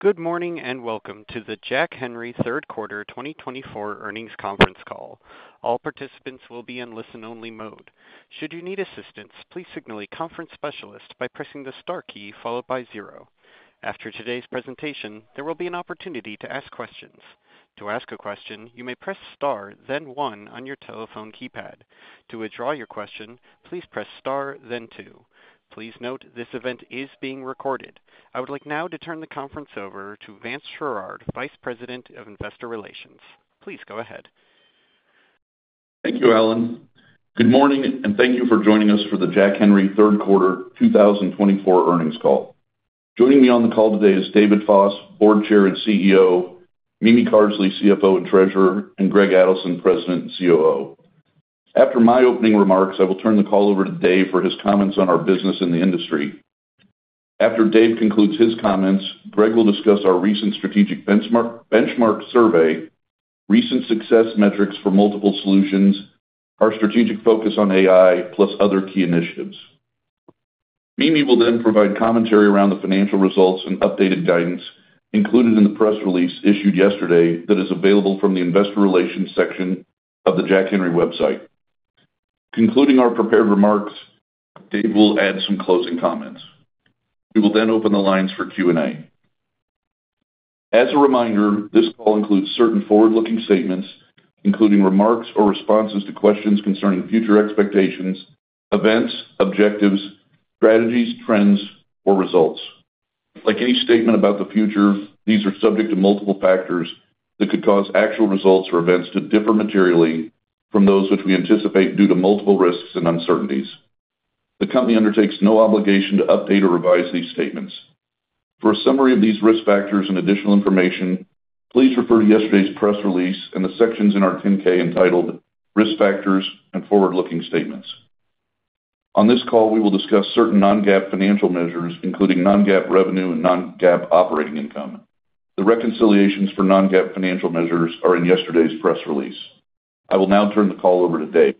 Good morning and welcome to the Jack Henry 3rd Quarter 2024 Earnings Conference Call. All participants will be in listen-only mode. Should you need assistance, please signal a conference specialist by pressing the star key followed by zero. After today's presentation, there will be an opportunity to ask questions. To ask a question, you may press star, then one, on your telephone keypad. To withdraw your question, please press star, then two. Please note, this event is being recorded. I would like now to turn the conference over to Vance Sherard, Vice President of Investor Relations. Please go ahead. Thank you, Alan. Good morning and thank you for joining us for the Jack Henry 3rd Quarter 2024 Earnings Call. Joining me on the call today is David Foss, Board Chair and CEO; Mimi Carsley, CFO and Treasurer; and Greg Adelson, President and COO. After my opening remarks, I will turn the call over to Dave for his comments on our business and the industry. After Dave concludes his comments, Greg will discuss our recent strategic benchmark survey, recent success metrics for multiple solutions, our strategic focus on AI, plus other key initiatives. Mimi will then provide commentary around the financial results and updated guidance included in the press release issued yesterday that is available from the Investor Relations section of the Jack Henry website. Concluding our prepared remarks, Dave will add some closing comments. We will then open the lines for Q&A. As a reminder, this call includes certain forward-looking statements, including remarks or responses to questions concerning future expectations, events, objectives, strategies, trends, or results. Like any statement about the future, these are subject to multiple factors that could cause actual results or events to differ materially from those which we anticipate due to multiple risks and uncertainties. The company undertakes no obligation to update or revise these statements. For a summary of these risk factors and additional information, please refer to yesterday's press release and the sections in our 10-K entitled Risk Factors and Forward-Looking Statements. On this call, we will discuss certain non-GAAP financial measures, including non-GAAP revenue and non-GAAP operating income. The reconciliations for non-GAAP financial measures are in yesterday's press release. I will now turn the call over to Dave.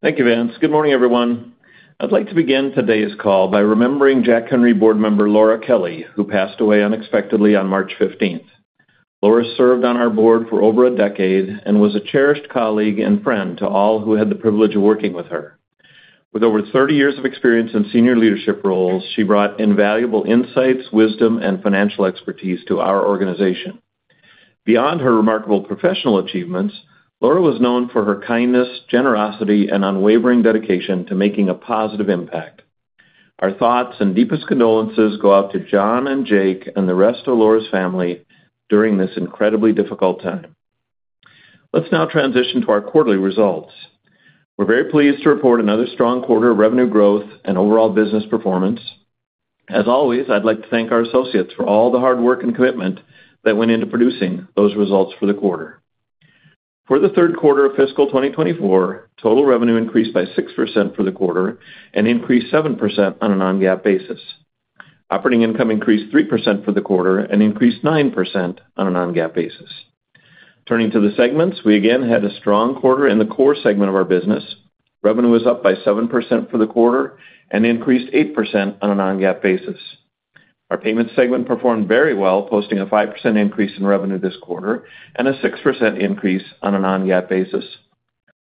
Thank you, Vance. Good morning, everyone. I'd like to begin today's call by remembering Jack Henry Board member Laura Kelly, who passed away unexpectedly on March 15th. Laura served on our board for over a decade and was a cherished colleague and friend to all who had the privilege of working with her. With over 30 years of experience in senior leadership roles, she brought invaluable insights, wisdom, and financial expertise to our organization. Beyond her remarkable professional achievements, Laura was known for her kindness, generosity, and unwavering dedication to making a positive impact. Our thoughts and deepest condolences go out to John and Jake and the rest of Laura's family during this incredibly difficult time. Let's now transition to our quarterly results. We're very pleased to report another strong quarter of revenue growth and overall business performance. As always, I'd like to thank our associates for all the hard work and commitment that went into producing those results for the quarter. For the third quarter of fiscal 2024, total revenue increased by 6% for the quarter and increased 7% on a Non-GAAP basis. Operating income increased 3% for the quarter and increased 9% on a Non-GAAP basis. Turning to the segments, we again had a strong quarter in the core segment of our business. Revenue was up by 7% for the quarter and increased 8% on a Non-GAAP basis. Our payments segment performed very well, posting a 5% increase in revenue this quarter and a 6% increase on a Non-GAAP basis.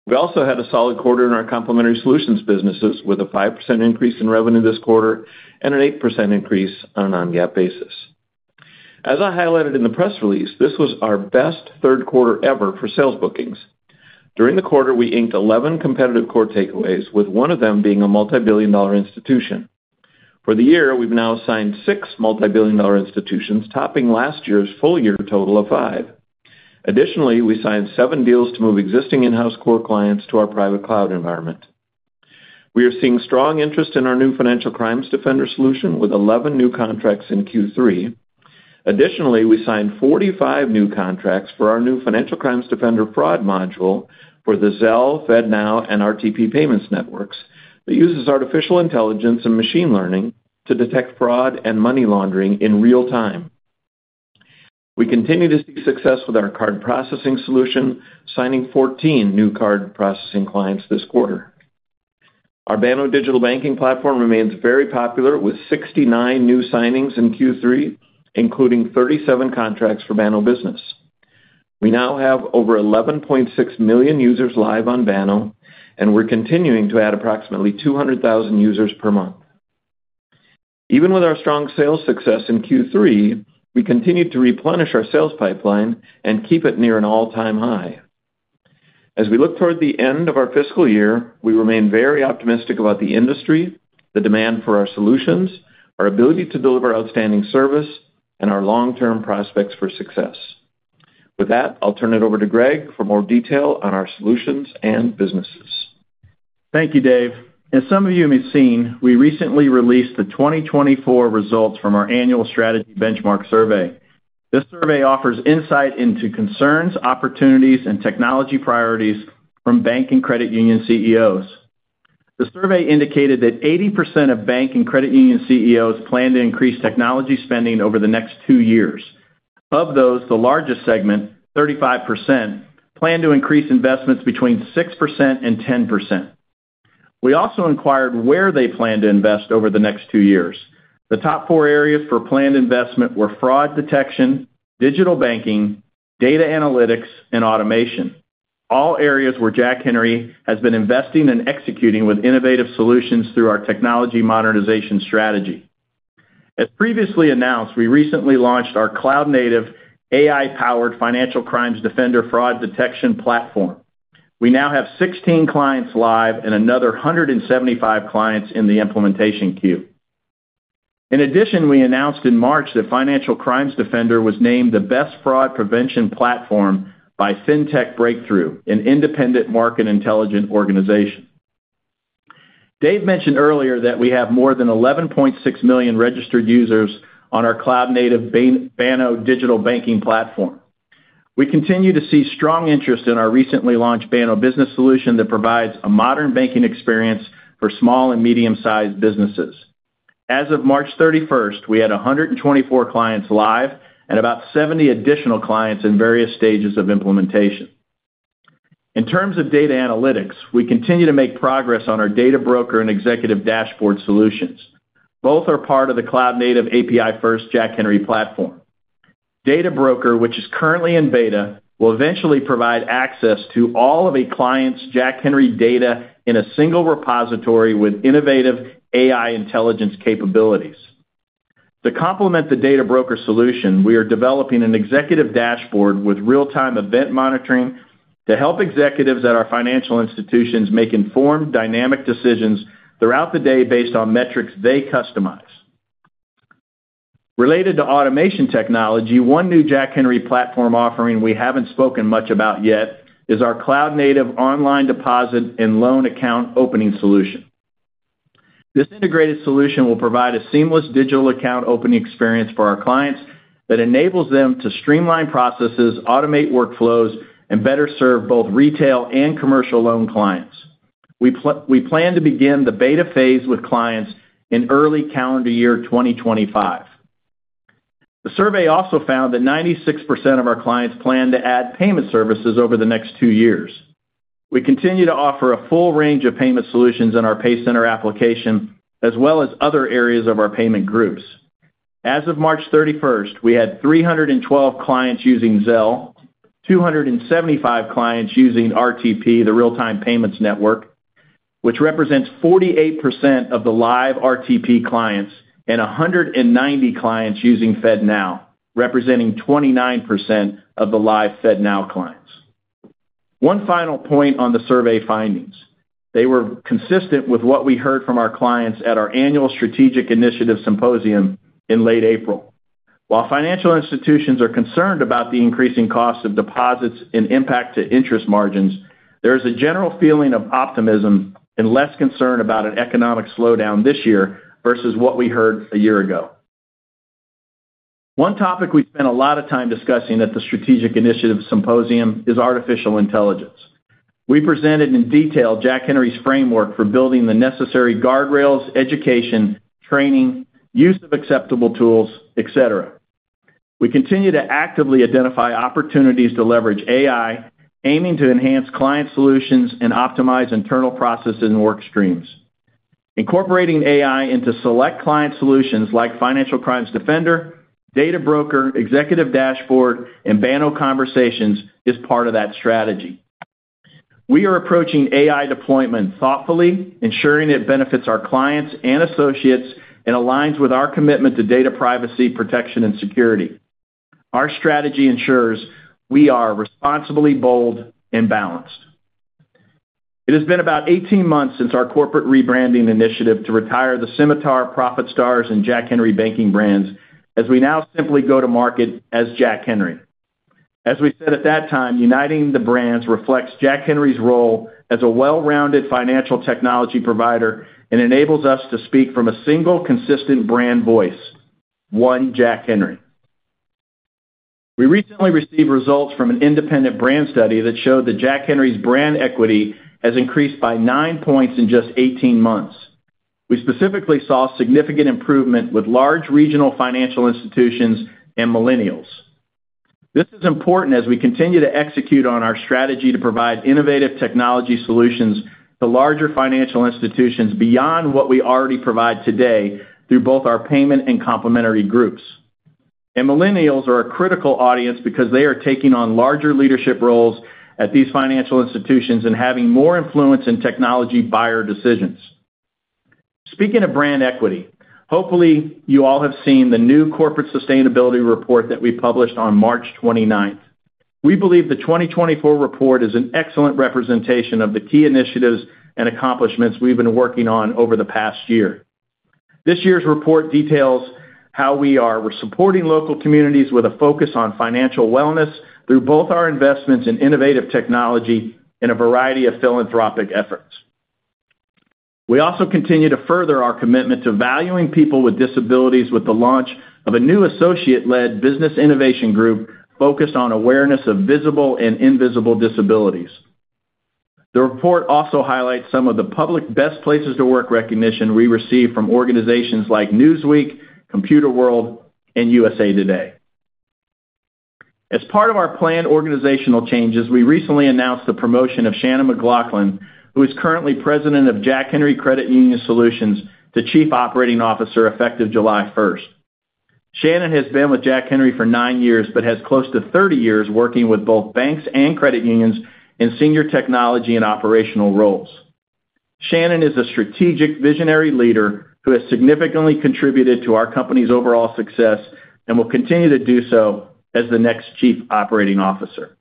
We also had a solid quarter in our complementary solutions businesses, with a 5% increase in revenue this quarter and an 8% increase on a Non-GAAP basis. As I highlighted in the press release, this was our best third quarter ever for sales bookings. During the quarter, we inked 11 competitive core takeaways, with one of them being a multibillion-dollar institution. For the year, we've now signed six multibillion-dollar institutions, topping last year's full-year total of five. Additionally, we signed seven deals to move existing in-house core clients to our private cloud environment. We are seeing strong interest in our new Financial Crimes Defender solution, with 11 new contracts in Q3. Additionally, we signed 45 new contracts for our new Financial Crimes Defender fraud module for the Zelle, FedNow, and RTP payments networks that uses artificial intelligence and machine learning to detect fraud and money laundering in real time. We continue to see success with our card processing solution, signing 14 new card processing clients this quarter. Our Banno digital banking platform remains very popular, with 69 new signings in Q3, including 37 contracts for Banno Business. We now have over 11.6 million users live on Banno, and we're continuing to add approximately 200,000 users per month. Even with our strong sales success in Q3, we continue to replenish our sales pipeline and keep it near an all-time high. As we look toward the end of our fiscal year, we remain very optimistic about the industry, the demand for our solutions, our ability to deliver outstanding service, and our long-term prospects for success. With that, I'll turn it over to Greg for more detail on our solutions and businesses. Thank you, Dave. As some of you may have seen, we recently released the 2024 results from our annual strategy benchmark survey. This survey offers insight into concerns, opportunities, and technology priorities from bank and credit union CEOs. The survey indicated that 80% of bank and credit union CEOs plan to increase technology spending over the next two years. Of those, the largest segment, 35%, plan to increase investments between 6%-10%. We also inquired where they plan to invest over the next two years. The top four areas for planned investment were fraud detection, digital banking, data analytics, and automation. All areas where Jack Henry has been investing and executing with innovative solutions through our technology modernization strategy. As previously announced, we recently launched our cloud-native, AI-powered Financial Crimes Defender fraud detection platform. We now have 16 clients live and another 175 clients in the implementation queue. In addition, we announced in March that Financial Crimes Defender was named the best fraud prevention platform by FinTech Breakthrough, an independent market intelligence organization. Dave mentioned earlier that we have more than 11.6 million registered users on our cloud-native Banno digital banking platform. We continue to see strong interest in our recently launched Banno Business solution that provides a modern banking experience for small and medium-sized businesses. As of March 31st, we had 124 clients live and about 70 additional clients in various stages of implementation. In terms of data analytics, we continue to make progress on our Data Broker and Executive Dashboard solutions. Both are part of the cloud-native, API-first Jack Henry Platform. Data Broker, which is currently in beta, will eventually provide access to all of a client's Jack Henry data in a single repository with innovative AI intelligence capabilities. To complement the Data Broker solution, we are developing an Executive Dashboard with real-time event monitoring to help executives at our financial institutions make informed, dynamic decisions throughout the day based on metrics they customize. Related to automation technology, one new Jack Henry Platform offering we haven't spoken much about yet is our cloud-native online deposit and loan account opening solution. This integrated solution will provide a seamless digital account opening experience for our clients that enables them to streamline processes, automate workflows, and better serve both retail and commercial loan clients. We plan to begin the beta phase with clients in early calendar year 2025. The survey also found that 96% of our clients plan to add payment services over the next two years. We continue to offer a full range of payment solutions in our PayCenter application, as well as other areas of our payment groups. As of March 31st, we had 312 clients using Zelle, 275 clients using RTP, the real-time payments network, which represents 48% of the live RTP clients, and 190 clients using FedNow, representing 29% of the live FedNow clients. One final point on the survey findings: they were consistent with what we heard from our clients at our annual strategic initiative symposium in late April. While financial institutions are concerned about the increasing cost of deposits and impact to interest margins, there is a general feeling of optimism and less concern about an economic slowdown this year versus what we heard a year ago. One topic we spent a lot of time discussing at the strategic initiative symposium is artificial intelligence. We presented in detail Jack Henry's framework for building the necessary guardrails, education, training, use of acceptable tools, etc. We continue to actively identify opportunities to leverage AI, aiming to enhance client solutions and optimize internal processes and work streams. Incorporating AI into select client solutions like Financial Crimes Defender, Data Broker, Executive Dashboard, and Banno Conversations is part of that strategy. We are approaching AI deployment thoughtfully, ensuring it benefits our clients and associates and aligns with our commitment to data privacy, protection, and security. Our strategy ensures we are responsibly, bold, and balanced. It has been about 18 months since our corporate rebranding initiative to retire the Symitar, ProfitStars, and Jack Henry Banking brands, as we now simply go to market as Jack Henry. As we said at that time, uniting the brands reflects Jack Henry's role as a well-rounded financial technology provider and enables us to speak from a single, consistent brand voice: one Jack Henry. We recently received results from an independent brand study that showed that Jack Henry's brand equity has increased by nine points in just 18 months. We specifically saw significant improvement with large regional financial institutions and millennials. This is important as we continue to execute on our strategy to provide innovative technology solutions to larger financial institutions beyond what we already provide today through both our payment and complementary groups. Millennials are a critical audience because they are taking on larger leadership roles at these financial institutions and having more influence in technology buyer decisions. Speaking of brand equity, hopefully you all have seen the new corporate sustainability report that we published on March 29th. We believe the 2024 report is an excellent representation of the key initiatives and accomplishments we've been working on over the past year. This year's report details how we are supporting local communities with a focus on financial wellness through both our investments in innovative technology and a variety of philanthropic efforts. We also continue to further our commitment to valuing people with disabilities with the launch of a new associate-led business innovation group focused on awareness of visible and invisible disabilities. The report also highlights some of the public best places to work recognition we receive from organizations like Newsweek, Computerworld, and USA TODAY. As part of our planned organizational changes, we recently announced the promotion of Shannon McLachlan, who is currently President of Jack Henry Credit Union Solutions to Chief Operating Officer effective July 1st. Shannon has been with Jack Henry for nine years but has close to 30 years working with both banks and credit unions in senior technology and operational roles. Shannon is a strategic, visionary leader who has significantly contributed to our company's overall success and will continue to do so as the next Chief Operating Officer.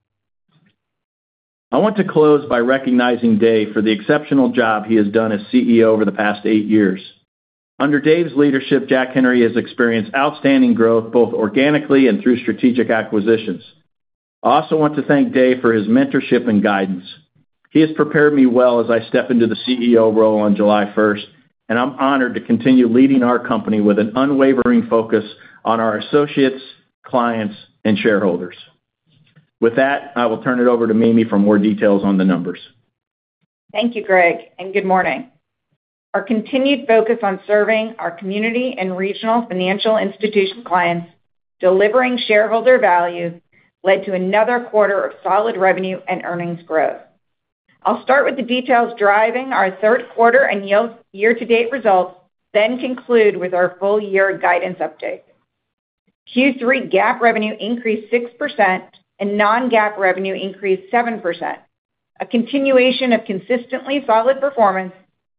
I want to close by recognizing Dave for the exceptional job he has done as CEO over the past eight years. Under Dave's leadership, Jack Henry has experienced outstanding growth both organically and through strategic acquisitions. I also want to thank Dave for his mentorship and guidance. He has prepared me well as I step into the CEO role on July 1st, and I'm honored to continue leading our company with an unwavering focus on our associates, clients, and shareholders. With that, I will turn it over to Mimi for more details on the numbers. Thank you, Greg, and good morning. Our continued focus on serving our community and regional financial institution clients, delivering shareholder value, led to another quarter of solid revenue and earnings growth. I'll start with the details driving our third quarter and year-to-date results, then conclude with our full-year guidance update. Q3 GAAP revenue increased 6% and non-GAAP revenue increased 7%, a continuation of consistently solid performance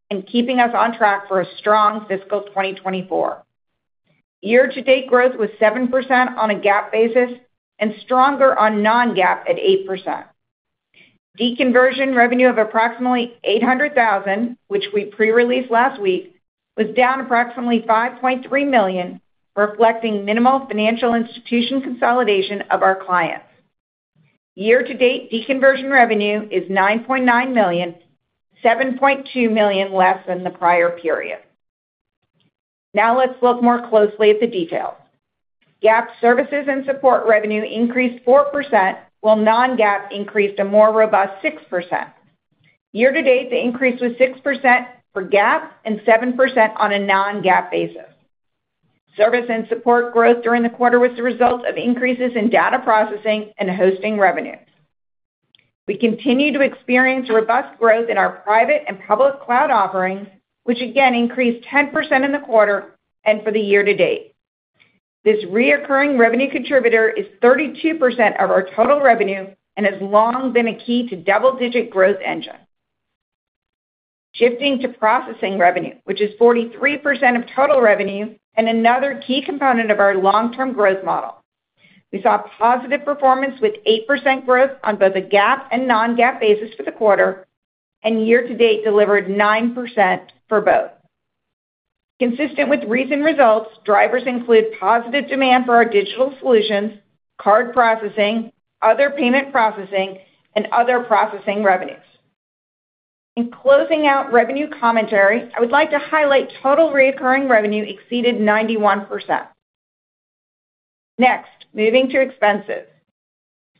and keeping us on track for a strong fiscal 2024. Year-to-date growth was 7% on a GAAP basis and stronger on non-GAAP at 8%. Deconversion revenue of approximately $800,000, which we pre-released last week, was down approximately $5.3 million, reflecting minimal financial institution consolidation of our clients. Year-to-date deconversion revenue is $9.9 million, $7.2 million less than the prior period. Now let's look more closely at the details. GAAP services and support revenue increased 4% while non-GAAP increased a more robust 6%. Year-to-date, the increase was 6% for GAAP and 7% on a non-GAAP basis. Service and support growth during the quarter was the result of increases in data processing and hosting revenue. We continue to experience robust growth in our private and public cloud offerings, which again increased 10% in the quarter and for the year-to-date. This recurring revenue contributor is 32% of our total revenue and has long been a key to double-digit growth engine. Shifting to processing revenue, which is 43% of total revenue and another key component of our long-term growth model. We saw positive performance with 8% growth on both a GAAP and non-GAAP basis for the quarter, and year-to-date delivered 9% for both. Consistent with recent results, drivers include positive demand for our digital solutions, card processing, other payment processing, and other processing revenues. In closing out revenue commentary, I would like to highlight total recurring revenue exceeded 91%. Next, moving to expenses.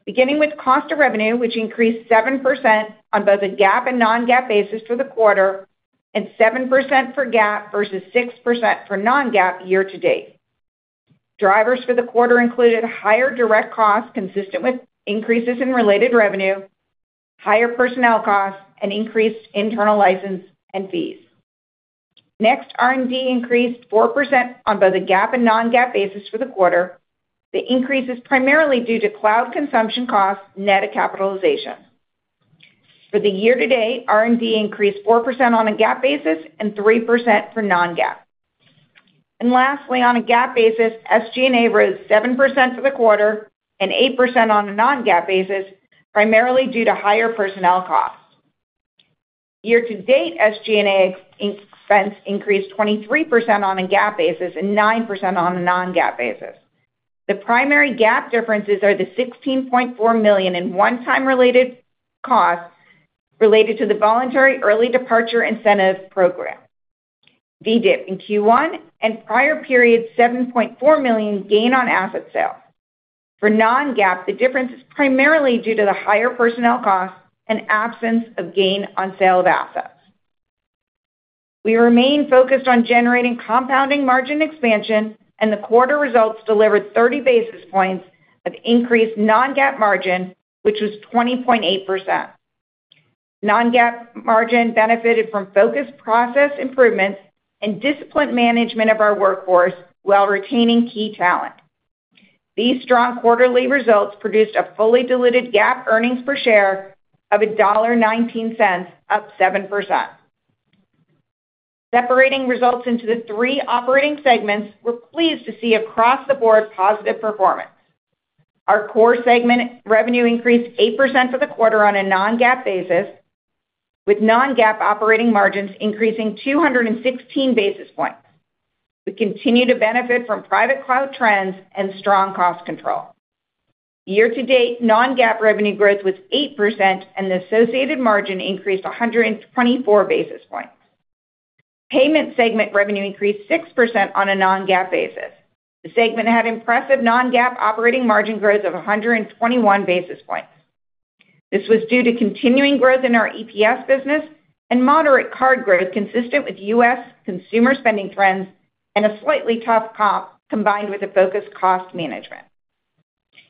Beginning with cost of revenue, which increased 7% on both a GAAP and non-GAAP basis for the quarter, and 7% for GAAP versus 6% for non-GAAP year-to-date. Drivers for the quarter included higher direct costs consistent with increases in related revenue, higher personnel costs, and increased internal license and fees. Next, R&D increased 4% on both a GAAP and non-GAAP basis for the quarter. The increase is primarily due to cloud consumption costs net of capitalization. For the year-to-date, R&D increased 4% on a GAAP basis and 3% for non-GAAP. And lastly, on a GAAP basis, SG&A rose 7% for the quarter and 8% on a non-GAAP basis, primarily due to higher personnel costs. Year-to-date, SG&A expense increased 23% on a GAAP basis and 9% on a non-GAAP basis. The primary GAAP differences are the $16.4 million in one-time related costs related to the voluntary early departure incentive program, VEDIP in Q1, and prior period $7.4 million gain on asset sales. For non-GAAP, the difference is primarily due to the higher personnel costs and absence of gain on sale of assets. We remain focused on generating compounding margin expansion, and the quarter results delivered 30 basis points of increased non-GAAP margin, which was 20.8%. Non-GAAP margin benefited from focused process improvements and discipline management of our workforce while retaining key talent. These strong quarterly results produced a fully diluted GAAP earnings per share of $1.19, up 7%. Separating results into the three operating segments, we're pleased to see across the board positive performance. Our core segment revenue increased 8% for the quarter on a non-GAAP basis, with non-GAAP operating margins increasing 216 basis points. We continue to benefit from private cloud trends and strong cost control. Year-to-date, non-GAAP revenue growth was 8%, and the associated margin increased 124 basis points. Payment segment revenue increased 6% on a non-GAAP basis. The segment had impressive non-GAAP operating margin growth of 121 basis points. This was due to continuing growth in our EPS business and moderate card growth consistent with U.S. consumer spending trends and a slightly tough comp combined with a focused cost management.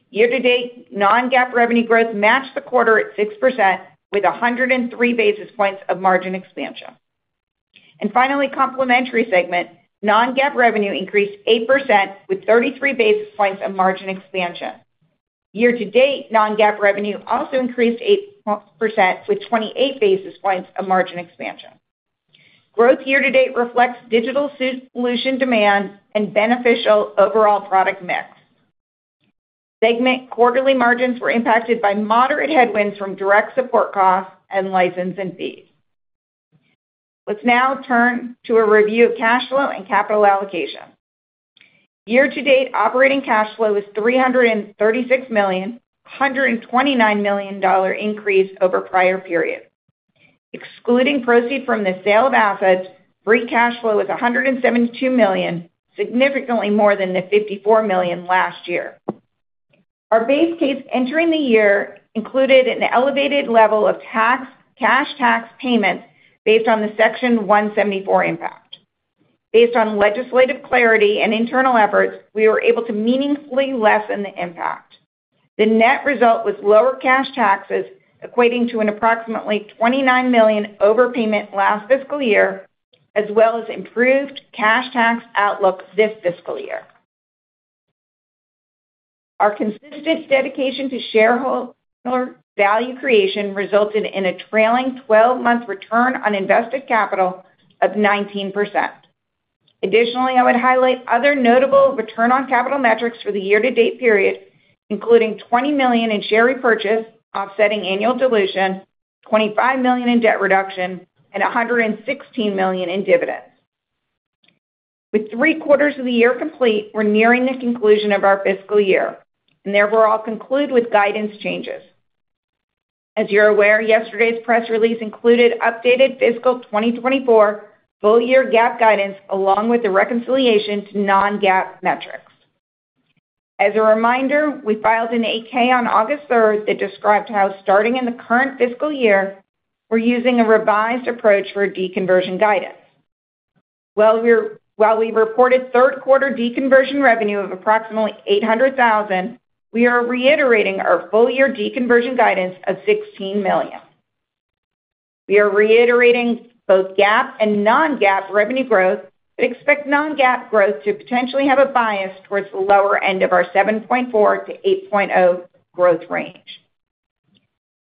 Year-to-date, non-GAAP revenue growth matched the quarter at 6% with 103 basis points of margin expansion. And finally, complementary segment, non-GAAP revenue increased 8% with 33 basis points of margin expansion. Year-to-date, non-GAAP revenue also increased 8% with 28 basis points of margin expansion. Growth year-to-date reflects digital solution demand and beneficial overall product mix. Segment quarterly margins were impacted by moderate headwinds from direct support costs and license and fees. Let's now turn to a review of cash flow and capital allocation. Year-to-date, operating cash flow is $336 million, $129 million increase over prior period. Excluding proceeds from the sale of assets, free cash flow is $172 million, significantly more than the $54 million last year. Our base case entering the year included an elevated level of cash tax payments based on the Section 174 impact. Based on legislative clarity and internal efforts, we were able to meaningfully lessen the impact. The net result was lower cash taxes equating to approximately $29 million overpayment last fiscal year, as well as improved cash tax outlook this fiscal year. Our consistent dedication to shareholder value creation resulted in a trailing 12-month return on invested capital of 19%. Additionally, I would highlight other notable return on capital metrics for the year-to-date period, including $20 million in share repurchase, offsetting annual dilution, $25 million in debt reduction, and $116 million in dividends. With three quarters of the year complete, we're nearing the conclusion of our fiscal year, and therefore I'll conclude with guidance changes. As you're aware, yesterday's press release included updated fiscal 2024 full-year GAAP guidance along with the reconciliation to non-GAAP metrics. As a reminder, we filed an 8-K on August 3rd that described how starting in the current fiscal year, we're using a revised approach for deconversion guidance. While we reported third quarter deconversion revenue of approximately $800,000, we are reiterating our full-year deconversion guidance of $16 million. We are reiterating both GAAP and non-GAAP revenue growth but expect non-GAAP growth to potentially have a bias towards the lower end of our 7.4%-8.0% growth range.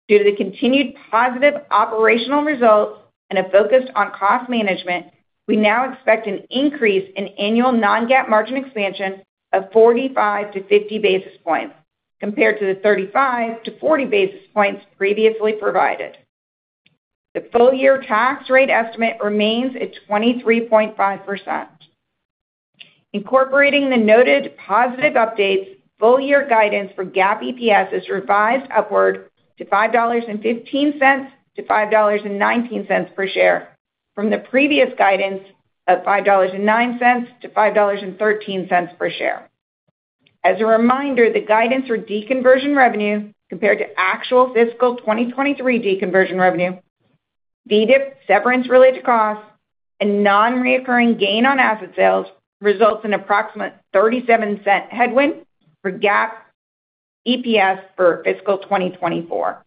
Due to the continued positive operational results and a focus on cost management, we now expect an increase in annual non-GAAP margin expansion of 45-50 basis points compared to the 35-40 basis points previously provided. The full-year tax rate estimate remains at 23.5%. Incorporating the noted positive updates, full-year guidance for GAAP EPS is revised upward to $5.15-$5.19 per share from the previous guidance of $5.09-$5.13 per share. As a reminder, the guidance for deconversion revenue compared to actual fiscal 2023 deconversion revenue, VEDIP severance related costs, and non-recurring gain on asset sales results in approximate $0.37 headwind for GAAP EPS for fiscal 2024.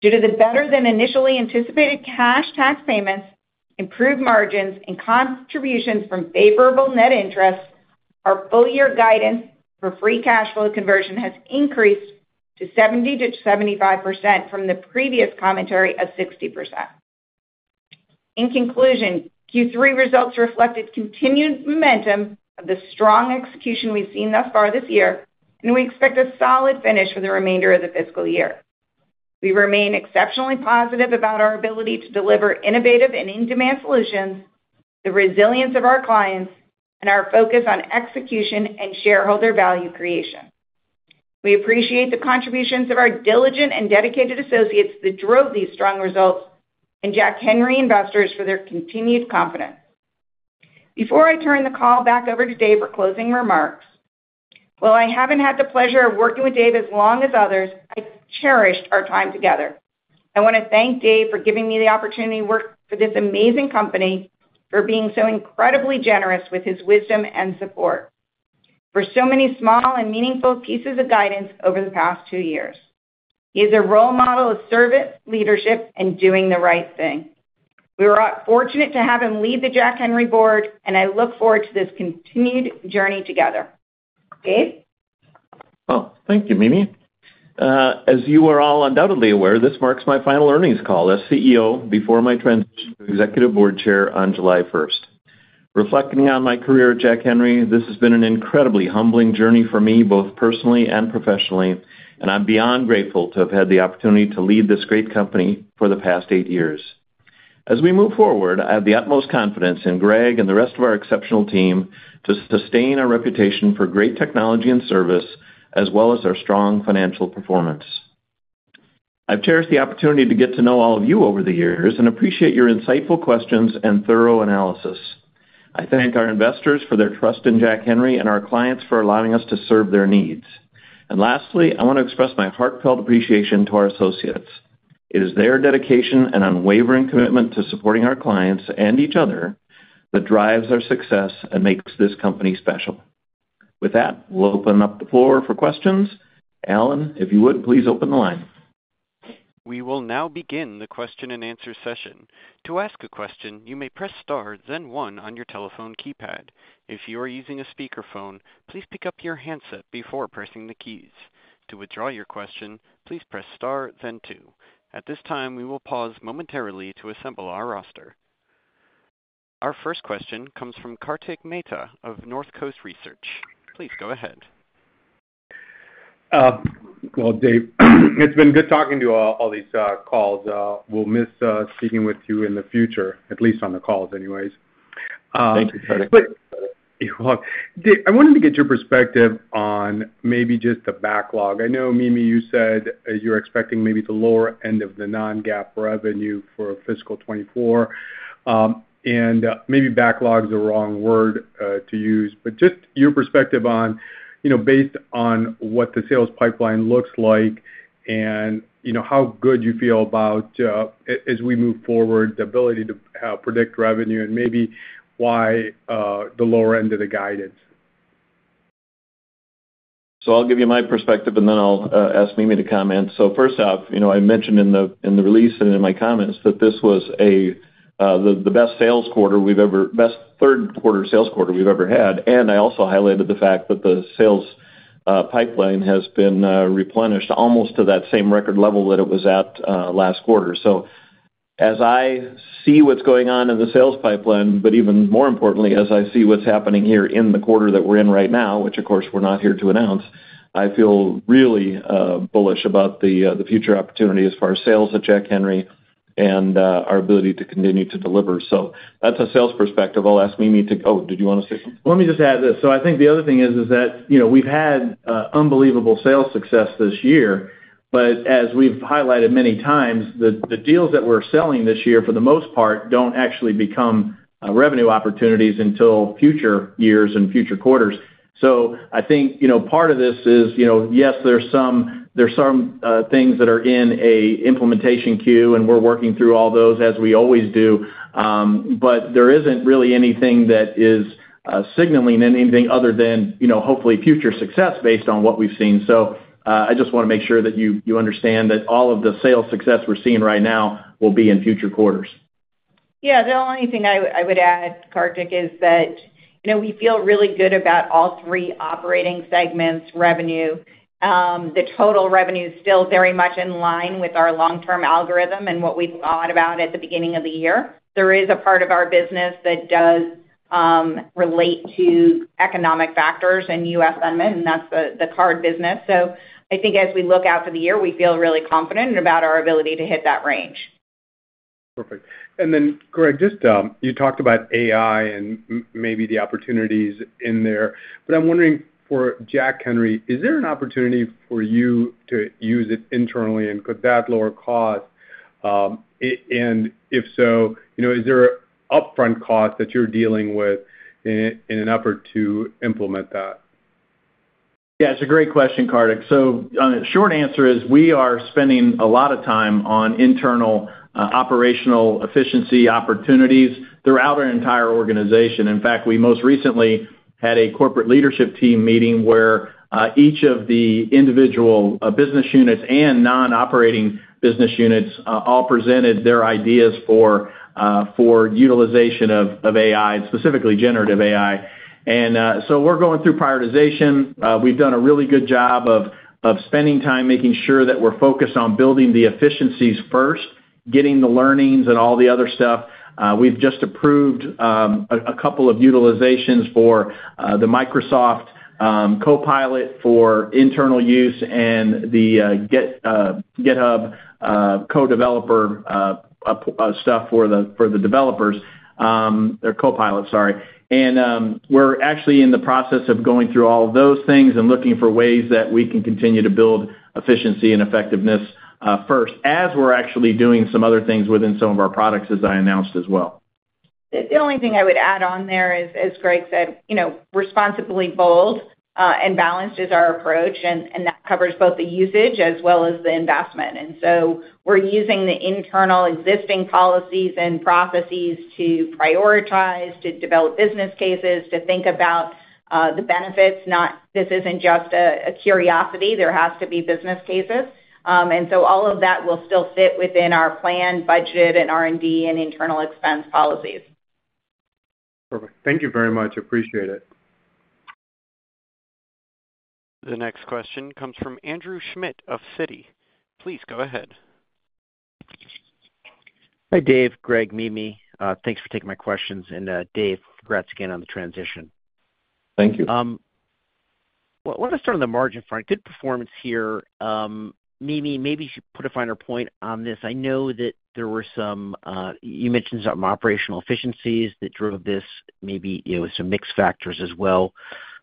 Due to the better than initially anticipated cash tax payments, improved margins, and contributions from favorable net interest, our full-year guidance for free cash flow conversion has increased to 70%-75% from the previous commentary of 60%. In conclusion, Q3 results reflected continued momentum of the strong execution we've seen thus far this year, and we expect a solid finish for the remainder of the fiscal year. We remain exceptionally positive about our ability to deliver innovative and in-demand solutions, the resilience of our clients, and our focus on execution and shareholder value creation. We appreciate the contributions of our diligent and dedicated associates that drove these strong results and Jack Henry investors for their continued confidence. Before I turn the call back over to Dave for closing remarks, while I haven't had the pleasure of working with Dave as long as others, I cherished our time together. I want to thank Dave for giving me the opportunity to work for this amazing company, for being so incredibly generous with his wisdom and support, for so many small and meaningful pieces of guidance over the past two years. He is a role model of service, leadership, and doing the right thing. We were fortunate to have him lead the Jack Henry board, and I look forward to this continued journey together. Dave? Oh, thank you, Mimi. As you are all undoubtedly aware, this marks my final earnings call as CEO before my transition to executive board chair on July 1st. Reflecting on my career at Jack Henry, this has been an incredibly humbling journey for me, both personally and professionally, and I'm beyond grateful to have had the opportunity to lead this great company for the past eight years. As we move forward, I have the utmost confidence in Greg and the rest of our exceptional team to sustain our reputation for great technology and service, as well as our strong financial performance. I've cherished the opportunity to get to know all of you over the years and appreciate your insightful questions and thorough analysis. I thank our investors for their trust in Jack Henry and our clients for allowing us to serve their needs. Lastly, I want to express my heartfelt appreciation to our associates. It is their dedication and unwavering commitment to supporting our clients and each other that drives our success and makes this company special. With that, we'll open up the floor for questions. Alan, if you would, please open the line. We will now begin the question-and-answer session. To ask a question, you may press star, then one, on your telephone keypad. If you are using a speakerphone, please pick up your handset before pressing the keys. To withdraw your question, please press star, then two. At this time, we will pause momentarily to assemble our roster. Our first question comes from Kartik Mehta of North Coast Research. Please go ahead. Well, Dave, it's been good talking to you on all these calls. We'll miss speaking with you in the future, at least on the calls anyways. Thank you, Kartik. You're welcome. Dave, I wanted to get your perspective on maybe just the backlog. I know, Mimi, you said you're expecting maybe the lower end of the non-GAAP revenue for fiscal 2024. And maybe backlog is the wrong word to use, but just your perspective based on what the sales pipeline looks like and how good you feel about, as we move forward, the ability to predict revenue and maybe why the lower end of the guidance. So I'll give you my perspective, and then I'll ask Mimi to comment. So first off, I mentioned in the release and in my comments that this was the best third quarter sales quarter we've ever had. And I also highlighted the fact that the sales pipeline has been replenished almost to that same record level that it was at last quarter. So as I see what's going on in the sales pipeline, but even more importantly, as I see what's happening here in the quarter that we're in right now, which, of course, we're not here to announce, I feel really bullish about the future opportunity as far as sales at Jack Henry and our ability to continue to deliver. So that's a sales perspective. I'll ask Mimi to. Oh, did you want to say something? Let me just add this. So I think the other thing is that we've had unbelievable sales success this year. But as we've highlighted many times, the deals that we're selling this year, for the most part, don't actually become revenue opportunities until future years and future quarters. So I think part of this is, yes, there's some things that are in an implementation queue, and we're working through all those, as we always do. But there isn't really anything that is signaling anything other than, hopefully, future success based on what we've seen. So I just want to make sure that you understand that all of the sales success we're seeing right now will be in future quarters. Yeah. The only thing I would add, Kartik, is that we feel really good about all three operating segments revenue. The total revenue is still very much in line with our long-term algorithm and what we thought about at the beginning of the year. There is a part of our business that does relate to economic factors and U.S. sentiment, and that's the card business. So I think as we look out for the year, we feel really confident about our ability to hit that range. Perfect. And then, Greg, you talked about AI and maybe the opportunities in there. But I'm wondering, for Jack Henry, is there an opportunity for you to use it internally, and could that lower cost? And if so, is there an upfront cost that you're dealing with in an effort to implement that? Yeah. It's a great question, Kartik. So the short answer is we are spending a lot of time on internal operational efficiency opportunities throughout our entire organization. In fact, we most recently had a corporate leadership team meeting where each of the individual business units and non-operating business units all presented their ideas for utilization of AI, specifically generative AI. And so we're going through prioritization. We've done a really good job of spending time making sure that we're focused on building the efficiencies first, getting the learnings and all the other stuff. We've just approved a couple of utilizations for the Microsoft Copilot for internal use and the GitHub Copilot for the developers, sorry. We're actually in the process of going through all of those things and looking for ways that we can continue to build efficiency and effectiveness first, as we're actually doing some other things within some of our products, as I announced as well. The only thing I would add on there is, as Greg said, responsibly bold and balanced is our approach, and that covers both the usage as well as the investment. And so we're using the internal existing policies and processes to prioritize, to develop business cases, to think about the benefits. This isn't just a curiosity. There has to be business cases. And so all of that will still fit within our plan, budget, and R&D and internal expense policies. Perfect. Thank you very much. Appreciate it. The next question comes from Andrew Schmidt of Citi. Please go ahead. Hi, Dave, Greg, Mimi. Thanks for taking my questions. And Dave, congrats again on the transition. Thank you. I want to start on the margin front. Good performance here. Mimi, maybe you should put a finer point on this. I know that there were some you mentioned some operational efficiencies that drove this, maybe some mixed factors as well.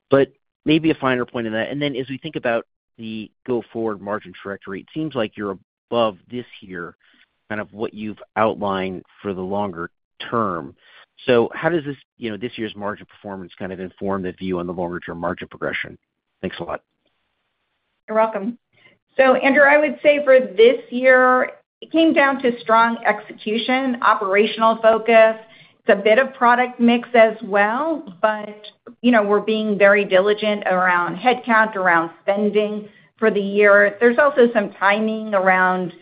But maybe a finer point on that. And then as we think about the go-forward margin trajectory, it seems like you're above this year, kind of what you've outlined for the longer term. So how does this year's margin performance kind of inform the view on the longer-term margin progression? Thanks a lot. You're welcome. So Andrew, I would say for this year, it came down to strong execution, operational focus. It's a bit of product mix as well, but we're being very diligent around headcount, around spending for the year. There's also some timing around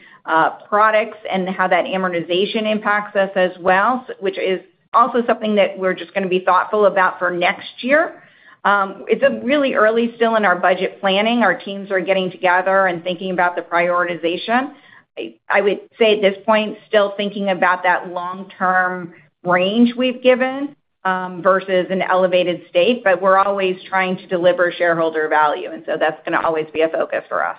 products and how that amortization impacts us as well, which is also something that we're just going to be thoughtful about for next year. It's really early still in our budget planning. Our teams are getting together and thinking about the prioritization. I would say at this point, still thinking about that long-term range we've given versus an elevated state. But we're always trying to deliver shareholder value, and so that's going to always be a focus for us.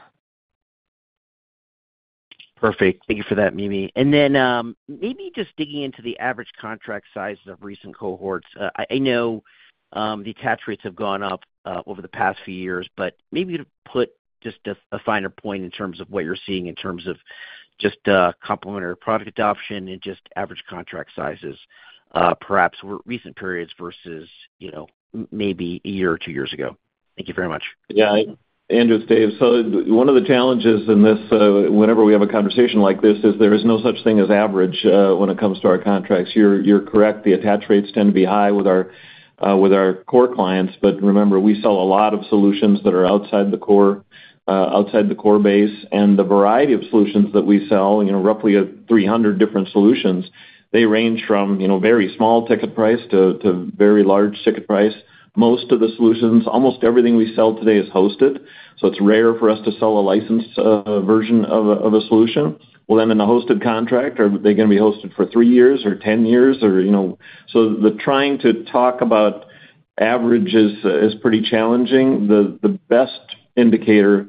Perfect. Thank you for that, Mimi. And then maybe just digging into the average contract size of recent cohorts. I know the attach rates have gone up over the past few years, but maybe you could put just a finer point in terms of what you're seeing in terms of just complementary product adoption and just average contract sizes, perhaps recent periods versus maybe a year or two years ago. Thank you very much. Yeah. Andrew, it's Dave. So one of the challenges in this, whenever we have a conversation like this, is there is no such thing as average when it comes to our contracts. You're correct. The attach rates tend to be high with our core clients. But remember, we sell a lot of solutions that are outside the core base. And the variety of solutions that we sell, roughly 300 different solutions, they range from very small ticket price to very large ticket price. Most of the solutions, almost everything we sell today is hosted. So it's rare for us to sell a licensed version of a solution. Well, then in a hosted contract, are they going to be hosted for three years or 10 years? So trying to talk about averages is pretty challenging. The best indicator,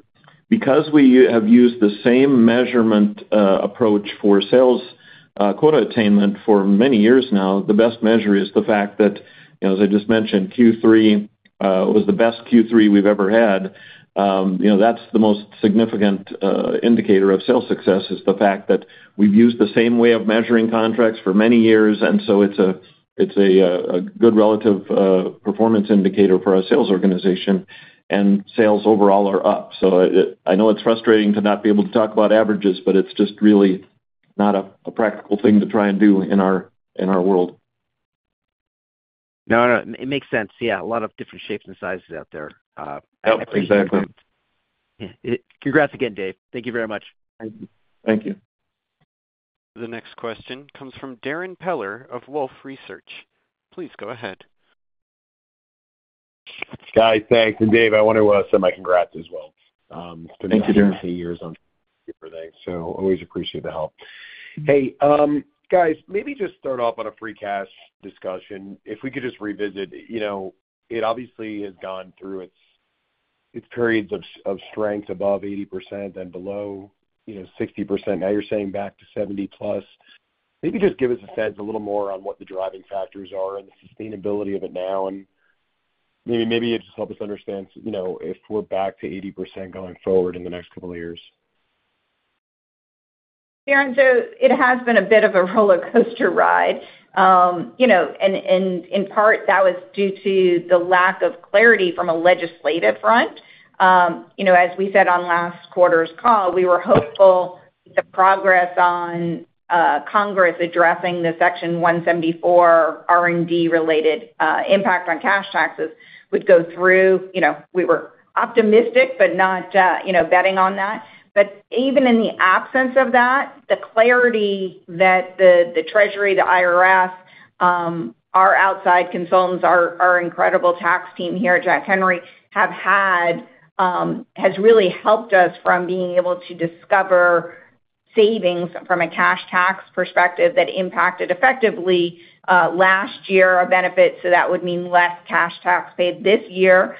because we have used the same measurement approach for sales quota attainment for many years now, the best measure is the fact that, as I just mentioned, Q3 was the best Q3 we've ever had. That's the most significant indicator of sales success, is the fact that we've used the same way of measuring contracts for many years. So it's a good relative performance indicator for our sales organization, and sales overall are up. I know it's frustrating to not be able to talk about averages, but it's just really not a practical thing to try and do in our world. No, it makes sense. Yeah. A lot of different shapes and sizes out there. I appreciate it. Yeah. Exactly. Congrats again, Dave. Thank you very much. Thank you. The next question comes from Darrin Peller of Wolfe Research. Please go ahead. Guys, thanks. Dave, I want to send my congrats as well. It's been nice to see you here this morning. Thank you, Darrin. So always appreciate the help. Hey, guys, maybe just start off on a free cash discussion. If we could just revisit, it obviously has gone through its periods of strength above 80% and below 60%. Now you're saying back to 70+. Maybe just give us a sense a little more on what the driving factors are and the sustainability of it now. And maybe it'd just help us understand if we're back to 80% going forward in the next couple of years. Shannon, it has been a bit of a roller coaster ride. In part, that was due to the lack of clarity from a legislative front. As we said on last quarter's call, we were hopeful the progress on Congress addressing the Section 174 R&D-related impact on cash taxes would go through. We were optimistic but not betting on that. But even in the absence of that, the clarity that the Treasury, the IRS, our outside consultants, our incredible tax team here at Jack Henry have had has really helped us from being able to discover savings from a cash tax perspective that impacted effectively last year of benefits. That would mean less cash tax paid this year.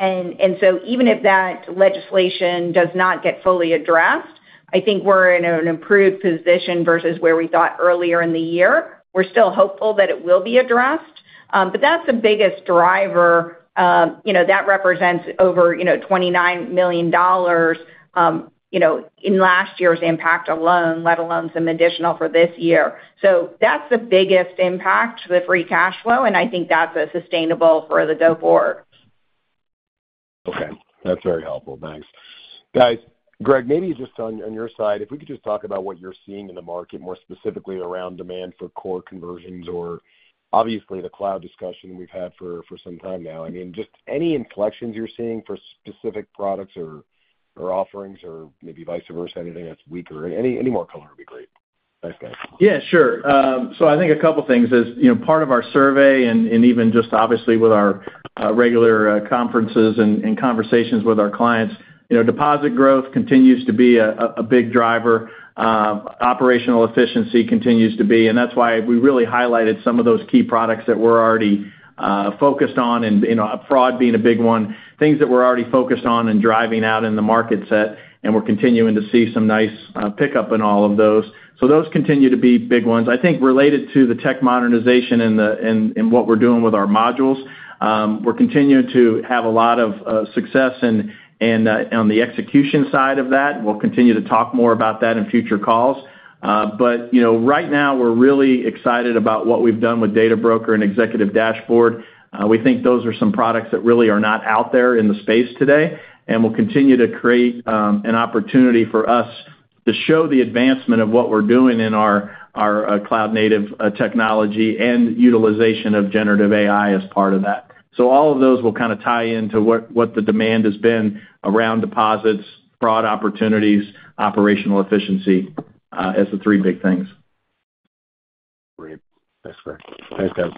Even if that legislation does not get fully addressed, I think we're in an improved position versus where we thought earlier in the year. We're still hopeful that it will be addressed. But that's the biggest driver. That represents over $29 million in last year's impact alone, let alone some additional for this year. So that's the biggest impact to the free cash flow, and I think that's sustainable for the go-forward. Okay. That's very helpful. Thanks. Guys, Greg, maybe just on your side, if we could just talk about what you're seeing in the market, more specifically around demand for core conversions or obviously, the cloud discussion we've had for some time now. I mean, just any inflections you're seeing for specific products or offerings or maybe vice versa, anything that's weaker. Any more color would be great. Thanks, guys. Yeah. Sure. So I think a couple of things. Part of our survey and even just, obviously, with our regular conferences and conversations with our clients, deposit growth continues to be a big driver. Operational efficiency continues to be. And that's why we really highlighted some of those key products that we're already focused on, and fraud being a big one, things that we're already focused on and driving out in the market set. And we're continuing to see some nice pickup in all of those. So those continue to be big ones. I think related to the tech modernization and what we're doing with our modules, we're continuing to have a lot of success on the execution side of that. We'll continue to talk more about that in future calls. But right now, we're really excited about what we've done with Data Broker and Executive Dashboard. We think those are some products that really are not out there in the space today. And we'll continue to create an opportunity for us to show the advancement of what we're doing in our cloud-native technology and utilization of generative AI as part of that. So all of those will kind of tie into what the demand has been around deposits, fraud opportunities, operational efficiency as the three big things. Great. Thanks, Greg. Thanks, guys.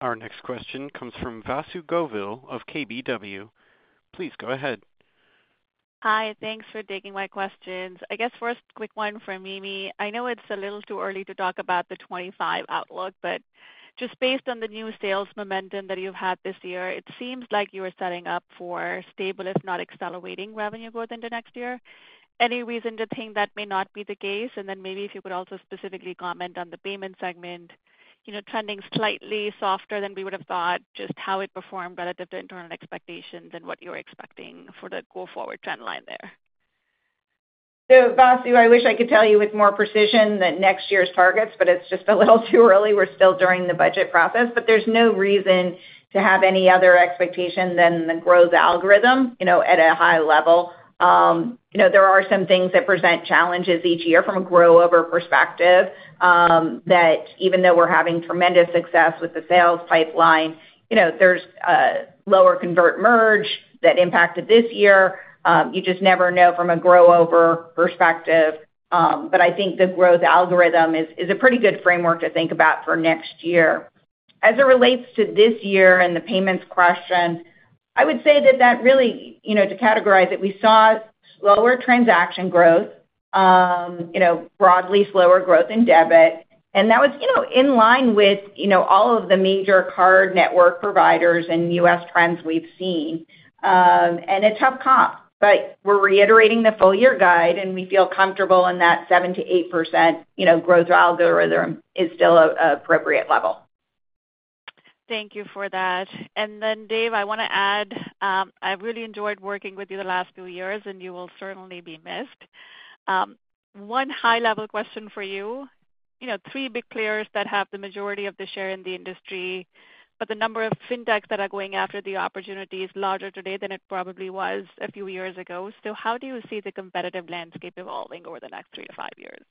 Our next question comes from Vasu Govil of KBW. Please go ahead. Hi. Thanks for taking my questions. I guess first, quick one from Mimi. I know it's a little too early to talk about the 2025 outlook, but just based on the new sales momentum that you've had this year, it seems like you are setting up for stable, if not accelerating, revenue growth into next year. Any reason to think that may not be the case? And then maybe if you could also specifically comment on the payment segment, trending slightly softer than we would have thought, just how it performed relative to internal expectations and what you're expecting for the go-forward trendline there. So Vasu, I wish I could tell you with more precision the next year's targets, but it's just a little too early. We're still during the budget process. But there's no reason to have any other expectation than the growth algorithm at a high level. There are some things that present challenges each year from a growover perspective that even though we're having tremendous success with the sales pipeline, there's lower convert/merge that impacted this year. You just never know from a growover perspective. But I think the growth algorithm is a pretty good framework to think about for next year. As it relates to this year and the payments question, I would say that that really to categorize it, we saw slower transaction growth, broadly slower growth in debit. And that was in line with all of the major card network providers and U.S. trends we've seen. It's tough comp. We're reiterating the full year guide, and we feel comfortable in that 7%-8% growth algorithm is still an appropriate level. Thank you for that. And then, Dave, I want to add I've really enjoyed working with you the last few years, and you will certainly be missed. One high-level question for you. Three big players that have the majority of the share in the industry, but the number of fintechs that are going after the opportunity is larger today than it probably was a few years ago. So how do you see the competitive landscape evolving over the next three to five years?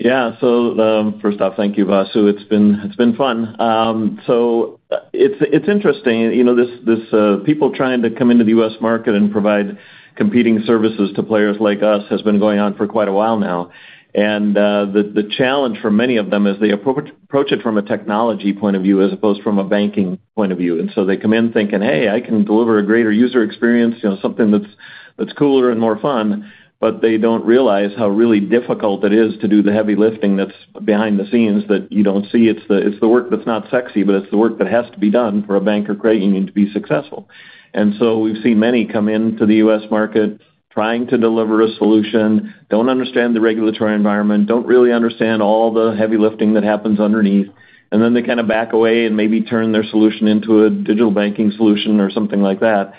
Yeah. First off, thank you, Vasu. It's been fun. It's interesting. People trying to come into the U.S. market and provide competing services to players like us has been going on for quite a while now. The challenge for many of them is they approach it from a technology point of view as opposed from a banking point of view. So they come in thinking, "Hey, I can deliver a greater user experience, something that's cooler and more fun." They don't realize how really difficult it is to do the heavy lifting that's behind the scenes that you don't see. It's the work that's not sexy, but it's the work that has to be done for a bank or credit union to be successful. We've seen many come into the U.S. market trying to deliver a solution, don't understand the regulatory environment, don't really understand all the heavy lifting that happens underneath. Then they kind of back away and maybe turn their solution into a digital banking solution or something like that.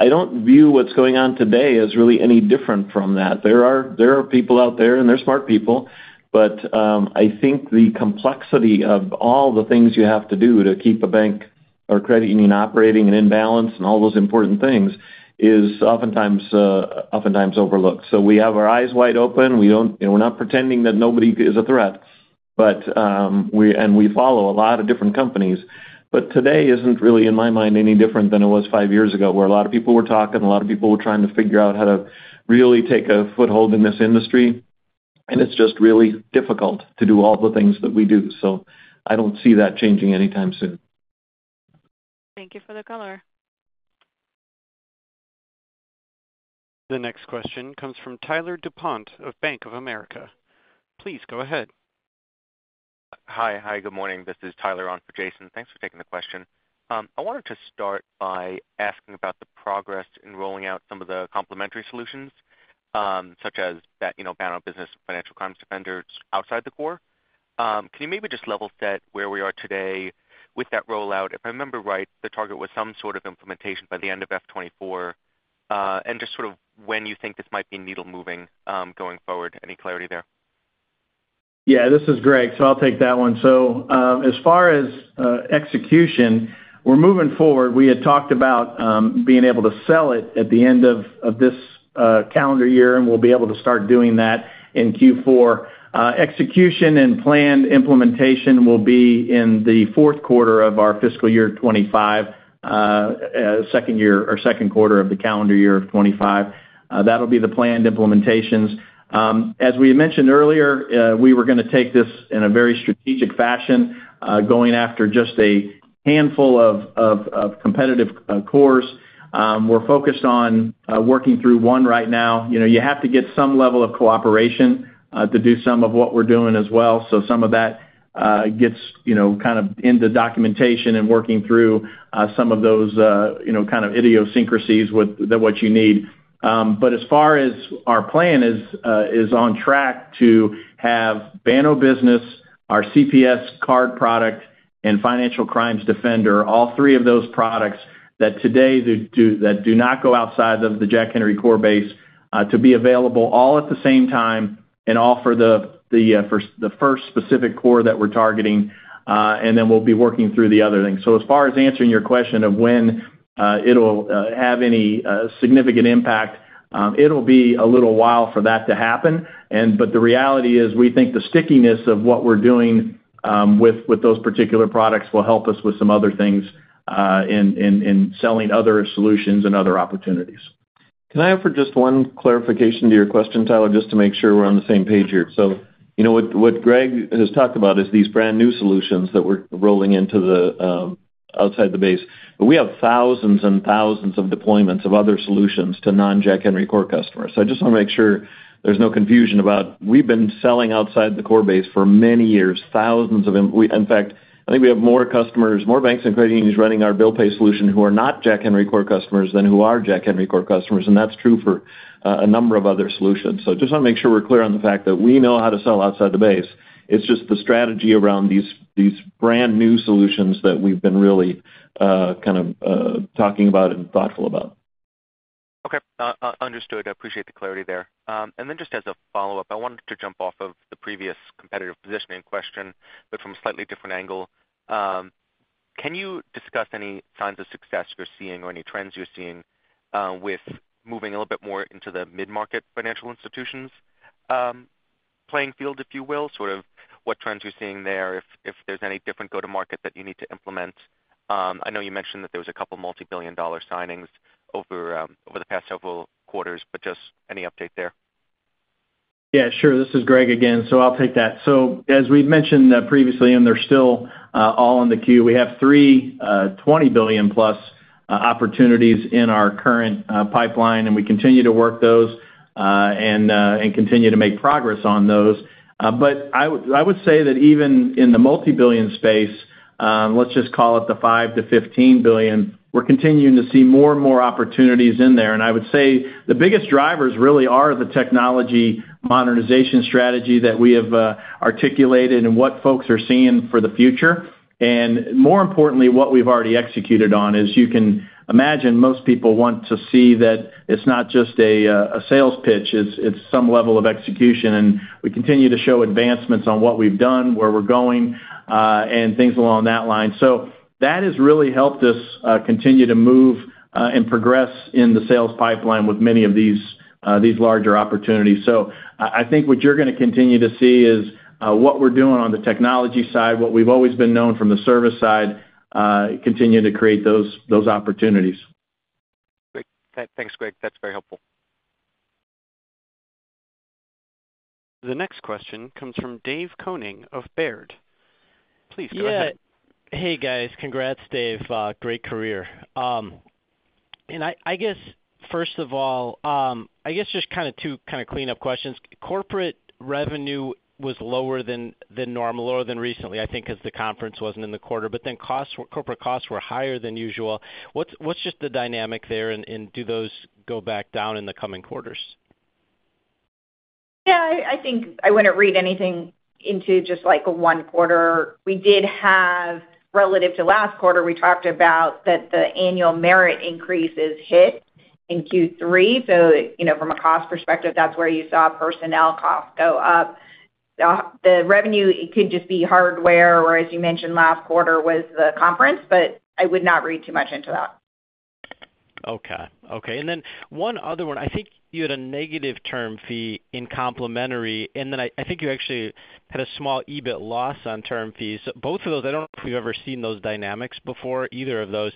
I don't view what's going on today as really any different from that. There are people out there, and they're smart people. But I think the complexity of all the things you have to do to keep a bank or credit union operating and in balance and all those important things is oftentimes overlooked. We have our eyes wide open. We're not pretending that nobody is a threat. We follow a lot of different companies. Today isn't really, in my mind, any different than it was five years ago where a lot of people were talking, a lot of people were trying to figure out how to really take a foothold in this industry. It's just really difficult to do all the things that we do. I don't see that changing anytime soon. Thank you for the color. The next question comes from Tyler DuPont of Bank of America. Please go ahead. Hi. Hi. Good morning. This is Tyler on for Jason. Thanks for taking the question. I wanted to start by asking about the progress in rolling out some of the complementary solutions such as Banno Business, Financial Crimes Defender outside the core. Can you maybe just level set where we are today with that rollout? If I remember right, the target was some sort of implementation by the end of F2024. And just sort of when you think this might be needle-moving going forward, any clarity there? Yeah. This is Greg. So I'll take that one. So as far as execution, we're moving forward. We had talked about being able to sell it at the end of this calendar year, and we'll be able to start doing that in Q4. Execution and planned implementation will be in the fourth quarter of our fiscal year 2025, second year or second quarter of the calendar year of 2025. That'll be the planned implementations. As we had mentioned earlier, we were going to take this in a very strategic fashion, going after just a handful of competitive cores. We're focused on working through one right now. You have to get some level of cooperation to do some of what we're doing as well. So some of that gets kind of into documentation and working through some of those kind of idiosyncrasies with what you need. But as far as our plan is on track to have Banno Business, our CPS card product, and Financial Crimes Defender, all three of those products that today do not go outside of the Jack Henry core base to be available all at the same time and all for the first specific core that we're targeting. Then we'll be working through the other things. As far as answering your question of when it'll have any significant impact, it'll be a little while for that to happen. But the reality is we think the stickiness of what we're doing with those particular products will help us with some other things in selling other solutions and other opportunities. Can I offer just one clarification to your question, Tyler, just to make sure we're on the same page here? So what Greg has talked about is these brand new solutions that we're rolling into outside the base. But we have thousands and thousands of deployments of other solutions to non-Jack Henry core customers. So I just want to make sure there's no confusion about we've been selling outside the core base for many years, thousands of in fact. I think we have more customers, more banks and credit unions running our Bill Pay solution who are not Jack Henry core customers than who are Jack Henry core customers. And that's true for a number of other solutions. So I just want to make sure we're clear on the fact that we know how to sell outside the base. It's just the strategy around these brand new solutions that we've been really kind of talking about and thoughtful about. Okay. Understood. I appreciate the clarity there. And then just as a follow-up, I wanted to jump off of the previous competitive positioning question but from a slightly different angle. Can you discuss any signs of success you're seeing or any trends you're seeing with moving a little bit more into the mid-market financial institutions playing field, if you will, sort of what trends you're seeing there, if there's any different go-to-market that you need to implement? I know you mentioned that there was a couple of multibillion-dollar signings over the past several quarters, but just any update there? Yeah. Sure. This is Greg again. So I'll take that. So as we've mentioned previously, and they're still all on the queue, we have three $20 billion-plus opportunities in our current pipeline, and we continue to work those and continue to make progress on those. But I would say that even in the multibillion space, let's just call it the $5 billion-$15 billion, we're continuing to see more and more opportunities in there. And I would say the biggest drivers really are the technology modernization strategy that we have articulated and what folks are seeing for the future. And more importantly, what we've already executed on is you can imagine most people want to see that it's not just a sales pitch. It's some level of execution. And we continue to show advancements on what we've done, where we're going, and things along that line. That has really helped us continue to move and progress in the sales pipeline with many of these larger opportunities. I think what you're going to continue to see is what we're doing on the technology side, what we've always been known from the service side, continue to create those opportunities. Great. Thanks, Greg. That's very helpful. The next question comes from Dave Koning of Baird. Please go ahead. Yeah. Hey, guys. Congrats, Dave. Great career. I guess, first of all, I guess just kind of two kind of cleanup questions. Corporate revenue was lower than normal, lower than recently, I think, because the conference wasn't in the quarter. But then corporate costs were higher than usual. What's just the dynamic there, and do those go back down in the coming quarters? Yeah. I think I wouldn't read anything into just one quarter. Relative to last quarter, we talked about that the annual merit increases hit in Q3. So from a cost perspective, that's where you saw personnel costs go up. The revenue, it could just be hardware or, as you mentioned, last quarter was the conference. But I would not read too much into that. Okay. Okay. Then one other one. I think you had a negative term fee in complementary, and then I think you actually had a small EBIT loss on term fees. So both of those, I don't know if you've ever seen those dynamics before, either of those.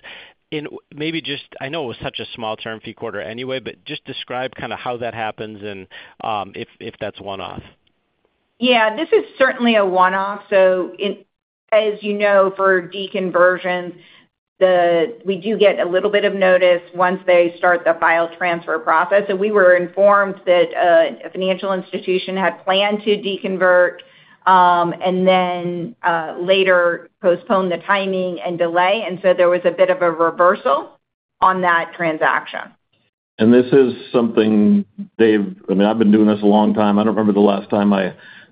And maybe just I know it was such a small term fee quarter anyway, but just describe kind of how that happens and if that's one-off. Yeah. This is certainly a one-off. As you know, for deconversions, we do get a little bit of notice once they start the file transfer process. We were informed that a financial institution had planned to deconvert and then later postpone the timing and delay. There was a bit of a reversal on that transaction. This is something, Dave. I mean, I've been doing this a long time. I don't remember the last time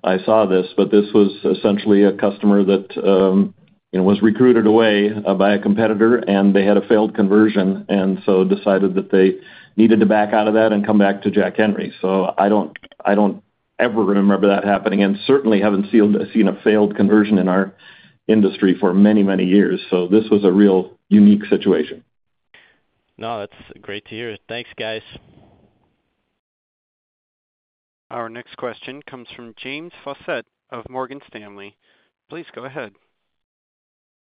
I saw this. But this was essentially a customer that was recruited away by a competitor, and they had a failed conversion and so decided that they needed to back out of that and come back to Jack Henry. So I don't ever remember that happening and certainly haven't seen a failed conversion in our industry for many, many years. So this was a real unique situation. No. That's great to hear. Thanks, guys. Our next question comes from James Faucette of Morgan Stanley. Please go ahead.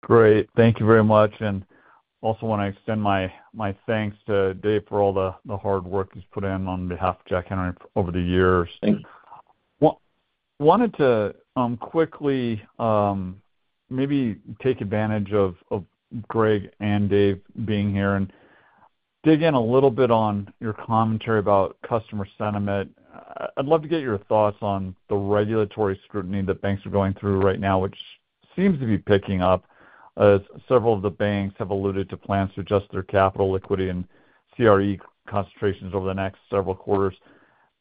Great. Thank you very much. And also want to extend my thanks to Dave for all the hard work he's put in on behalf of Jack Henry over the years. Wanted to quickly maybe take advantage of Greg and Dave being here and dig in a little bit on your commentary about customer sentiment. I'd love to get your thoughts on the regulatory scrutiny that banks are going through right now, which seems to be picking up as several of the banks have alluded to plans to adjust their capital liquidity and CRE concentrations over the next several quarters.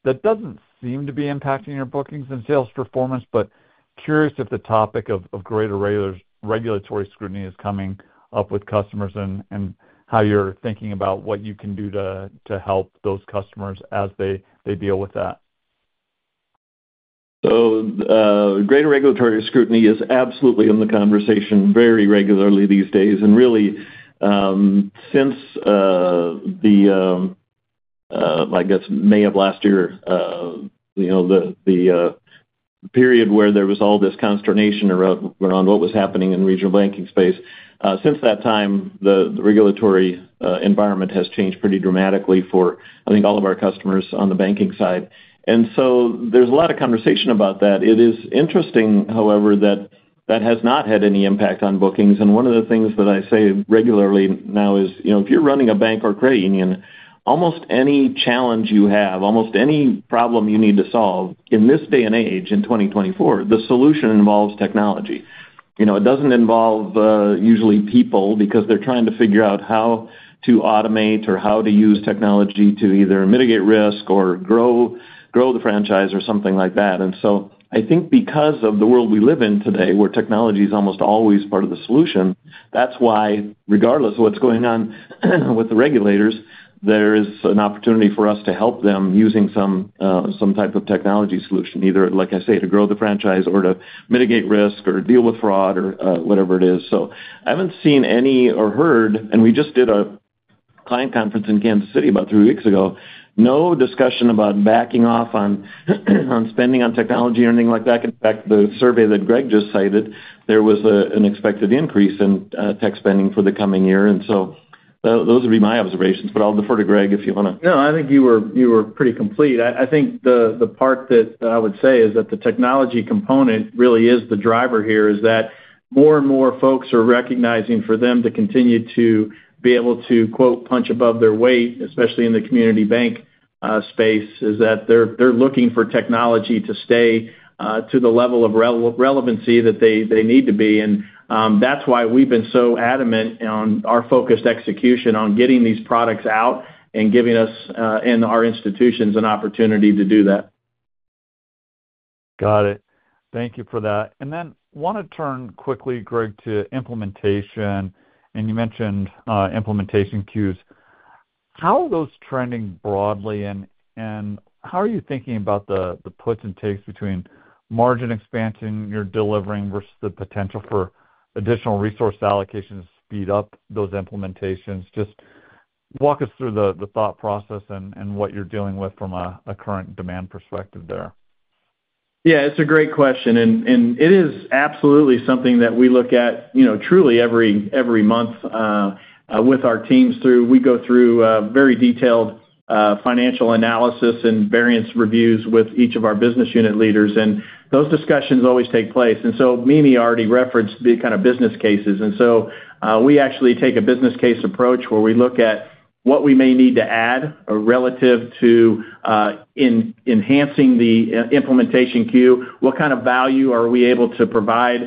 That doesn't seem to be impacting your bookings and sales performance, but curious if the topic of greater regulatory scrutiny is coming up with customers and how you're thinking about what you can do to help those customers as they deal with that. So greater regulatory scrutiny is absolutely in the conversation very regularly these days. And really, since the, I guess, May of last year, the period where there was all this consternation around what was happening in the regional banking space, since that time, the regulatory environment has changed pretty dramatically for, I think, all of our customers on the banking side. And so there's a lot of conversation about that. It is interesting, however, that that has not had any impact on bookings. And one of the things that I say regularly now is if you're running a bank or credit union, almost any challenge you have, almost any problem you need to solve, in this day and age, in 2024, the solution involves technology. It doesn't involve usually people because they're trying to figure out how to automate or how to use technology to either mitigate risk or grow the franchise or something like that. And so I think because of the world we live in today, where technology is almost always part of the solution, that's why, regardless of what's going on with the regulators, there is an opportunity for us to help them using some type of technology solution, either, like I say, to grow the franchise or to mitigate risk or deal with fraud or whatever it is. So I haven't seen any or heard, and we just did a client conference in Kansas City about three weeks ago, no discussion about backing off on spending on technology or anything like that. In fact, the survey that Greg just cited, there was an expected increase in tech spending for the coming year. And so those would be my observations. But I'll defer to Greg if you want to. No. I think you were pretty complete. I think the part that I would say is that the technology component really is the driver here is that more and more folks are recognizing for them to continue to be able to "punch above their weight," especially in the community bank space, is that they're looking for technology to stay to the level of relevancy that they need to be. That's why we've been so adamant on our focused execution on getting these products out and giving us and our institutions an opportunity to do that. Got it. Thank you for that. And then want to turn quickly, Greg, to implementation. And you mentioned implementation queues. How are those trending broadly, and how are you thinking about the puts and takes between margin expansion you're delivering versus the potential for additional resource allocation to speed up those implementations? Just walk us through the thought process and what you're dealing with from a current demand perspective there. Yeah. It's a great question. And it is absolutely something that we look at truly every month with our teams through. We go through very detailed financial analysis and variance reviews with each of our business unit leaders. And those discussions always take place. And so Mimi already referenced the kind of business cases. And so we actually take a business case approach where we look at what we may need to add relative to enhancing the implementation queue, what kind of value are we able to provide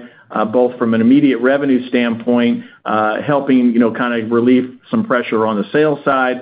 both from an immediate revenue standpoint, helping kind of relieve some pressure on the sales side,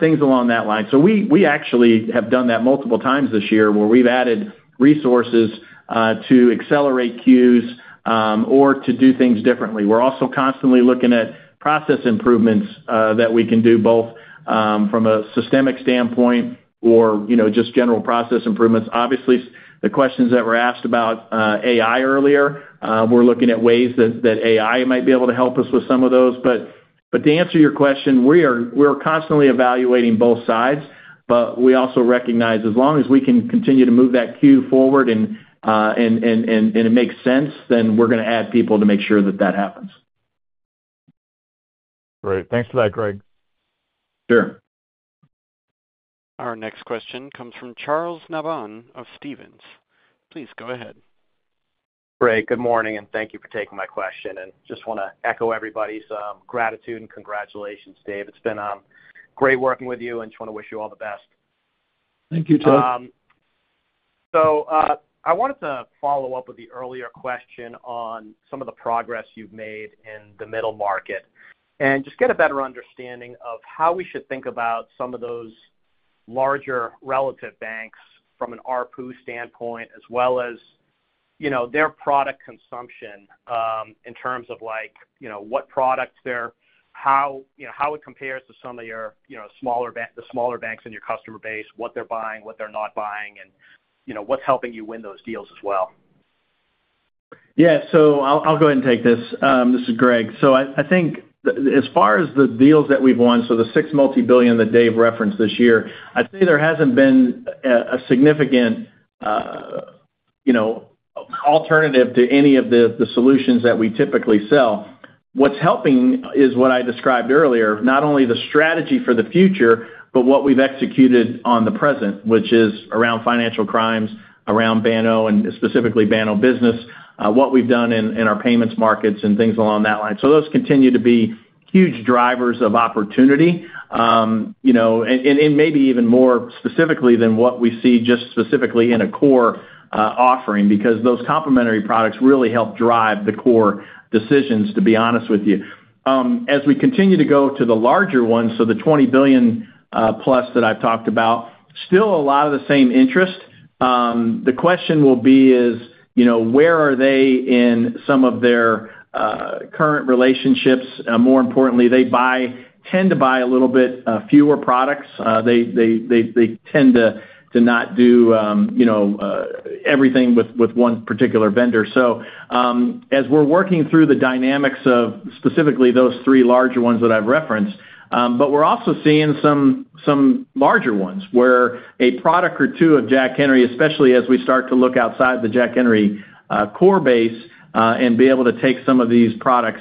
things along that line. So we actually have done that multiple times this year where we've added resources to accelerate queues or to do things differently. We're also constantly looking at process improvements that we can do both from a systemic standpoint or just general process improvements. Obviously, the questions that were asked about AI earlier, we're looking at ways that AI might be able to help us with some of those. But to answer your question, we're constantly evaluating both sides. But we also recognize as long as we can continue to move that queue forward and it makes sense, then we're going to add people to make sure that that happens. Great. Thanks for that, Greg. Sure. Our next question comes from Charles Nabhan of Stephens. Please go ahead. Great. Good morning. Thank you for taking my question. Just want to echo everybody's gratitude and congratulations, Dave. It's been great working with you, and just want to wish you all the best. Thank you, Tim. I wanted to follow up with the earlier question on some of the progress you've made in the middle market and just get a better understanding of how we should think about some of those larger regional banks from an RPU standpoint as well as their product consumption in terms of what products they're how it compares to some of your smaller banks, the smaller banks in your customer base, what they're buying, what they're not buying, and what's helping you win those deals as well. Yeah. So I'll go ahead and take this. This is Greg. So I think as far as the deals that we've won, so the 6 multibillion that Dave referenced this year, I'd say there hasn't been a significant alternative to any of the solutions that we typically sell. What's helping is what I described earlier, not only the strategy for the future but what we've executed on the present, which is around Financial Crimes, around Banno and specifically Banno Business, what we've done in our payments markets and things along that line. So those continue to be huge drivers of opportunity and maybe even more specifically than what we see just specifically in a core offering because those complementary products really help drive the core decisions, to be honest with you. As we continue to go to the larger ones, so the $20 billion-plus that I've talked about, still a lot of the same interest. The question will be is where are they in some of their current relationships? More importantly, they tend to buy a little bit fewer products. They tend to not do everything with one particular vendor. So as we're working through the dynamics of specifically those three larger ones that I've referenced, but we're also seeing some larger ones where a product or two of Jack Henry, especially as we start to look outside the Jack Henry core base and be able to take some of these products,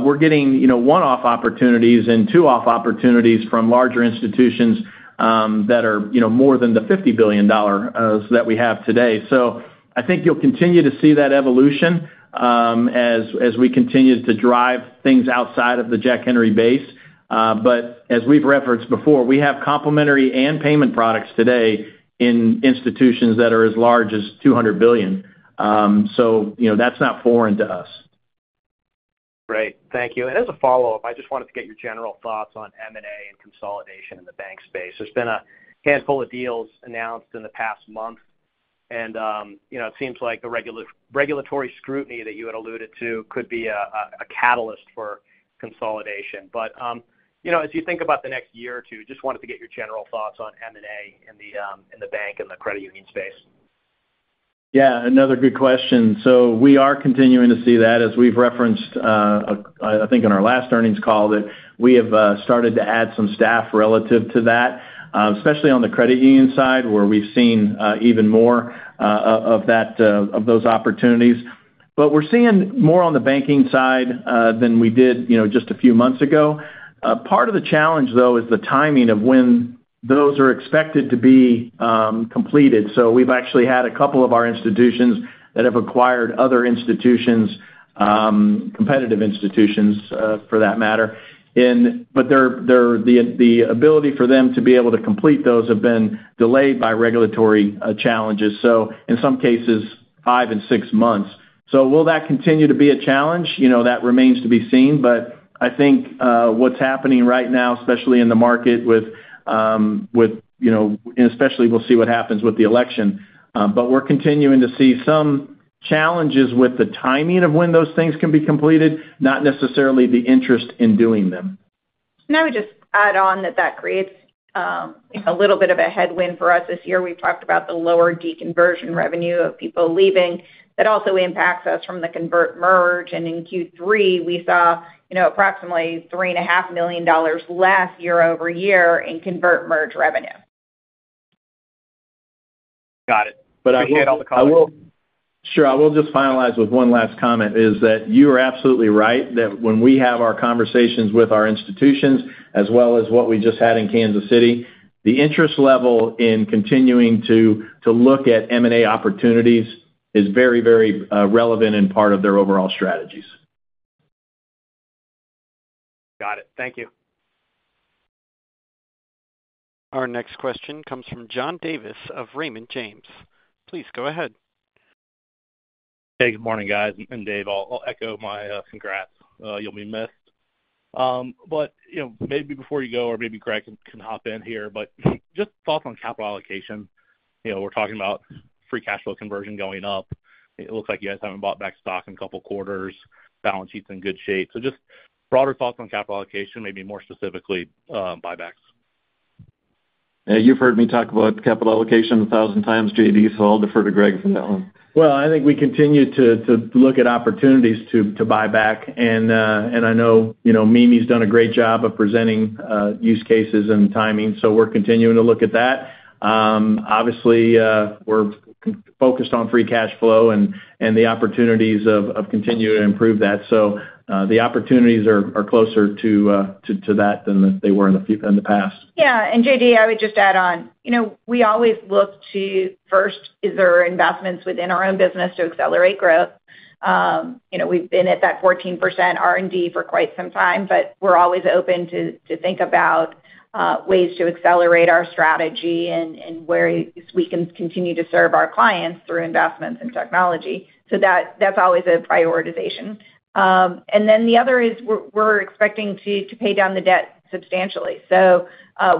we're getting one-off opportunities and two-off opportunities from larger institutions that are more than the $50 billion that we have today. So I think you'll continue to see that evolution as we continue to drive things outside of the Jack Henry base. But as we've referenced before, we have complementary and payment products today in institutions that are as large as $200 billion. So that's not foreign to us. Great. Thank you. And as a follow-up, I just wanted to get your general thoughts on M&A and consolidation in the bank space. There's been a handful of deals announced in the past month, and it seems like the regulatory scrutiny that you had alluded to could be a catalyst for consolidation. But as you think about the next year or two, just wanted to get your general thoughts on M&A in the bank and the credit union space. Yeah. Another good question. So we are continuing to see that. As we've referenced, I think, in our last earnings call that we have started to add some staff relative to that, especially on the credit union side where we've seen even more of those opportunities. But we're seeing more on the banking side than we did just a few months ago. Part of the challenge, though, is the timing of when those are expected to be completed. So we've actually had a couple of our institutions that have acquired other institutions, competitive institutions for that matter. But the ability for them to be able to complete those have been delayed by regulatory challenges, so in some cases, five and six months. So will that continue to be a challenge? That remains to be seen. But I think what's happening right now, especially in the market, especially. We'll see what happens with the election. But we're continuing to see some challenges with the timing of when those things can be completed, not necessarily the interest in doing them. I would just add on that that creates a little bit of a headwind for us this year. We've talked about the lower deconversion revenue of people leaving. That also impacts us from the convert-merge. In Q3, we saw approximately $3.5 million less year-over-year in convert-merge revenue. Got it. But I will. Sure. I will just finalize with one last comment is that you are absolutely right that when we have our conversations with our institutions as well as what we just had in Kansas City, the interest level in continuing to look at M&A opportunities is very, very relevant and part of their overall strategies. Got it. Thank you. Our next question comes from John Davis of Raymond James. Please go ahead. Hey. Good morning, guys. And Dave, I'll echo my congrats. You'll be missed. But maybe before you go or maybe Greg can hop in here, but just thoughts on capital allocation. We're talking about free cash flow conversion going up. It looks like you guys haven't bought back stock in a couple of quarters. Balance sheets in good shape. So just broader thoughts on capital allocation, maybe more specifically buybacks. Yeah. You've heard me talk about capital allocation a thousand times, JD, so I'll defer to Greg for that one. Well, I think we continue to look at opportunities to buy back. And I know Mimi's done a great job of presenting use cases and timing, so we're continuing to look at that. Obviously, we're focused on free cash flow and the opportunities of continuing to improve that. So the opportunities are closer to that than they were in the past. Yeah. And JD, I would just add on. We always look to first, is there investments within our own business to accelerate growth? We've been at that 14% R&D for quite some time, but we're always open to think about ways to accelerate our strategy and where we can continue to serve our clients through investments in technology. So that's always a prioritization. And then the other is we're expecting to pay down the debt substantially. So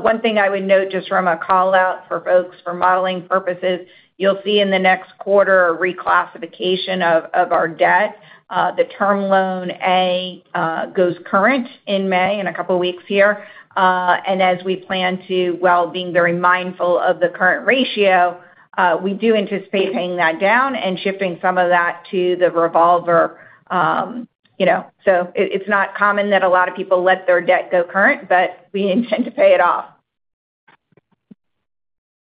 one thing I would note just from a callout for folks for modeling purposes, you'll see in the next quarter a reclassification of our debt. The Term Loan A goes current in May in a couple of weeks here. And as we plan to, while being very mindful of the current ratio, we do anticipate paying that down and shifting some of that to the revolver. It's not common that a lot of people let their debt go current, but we intend to pay it off.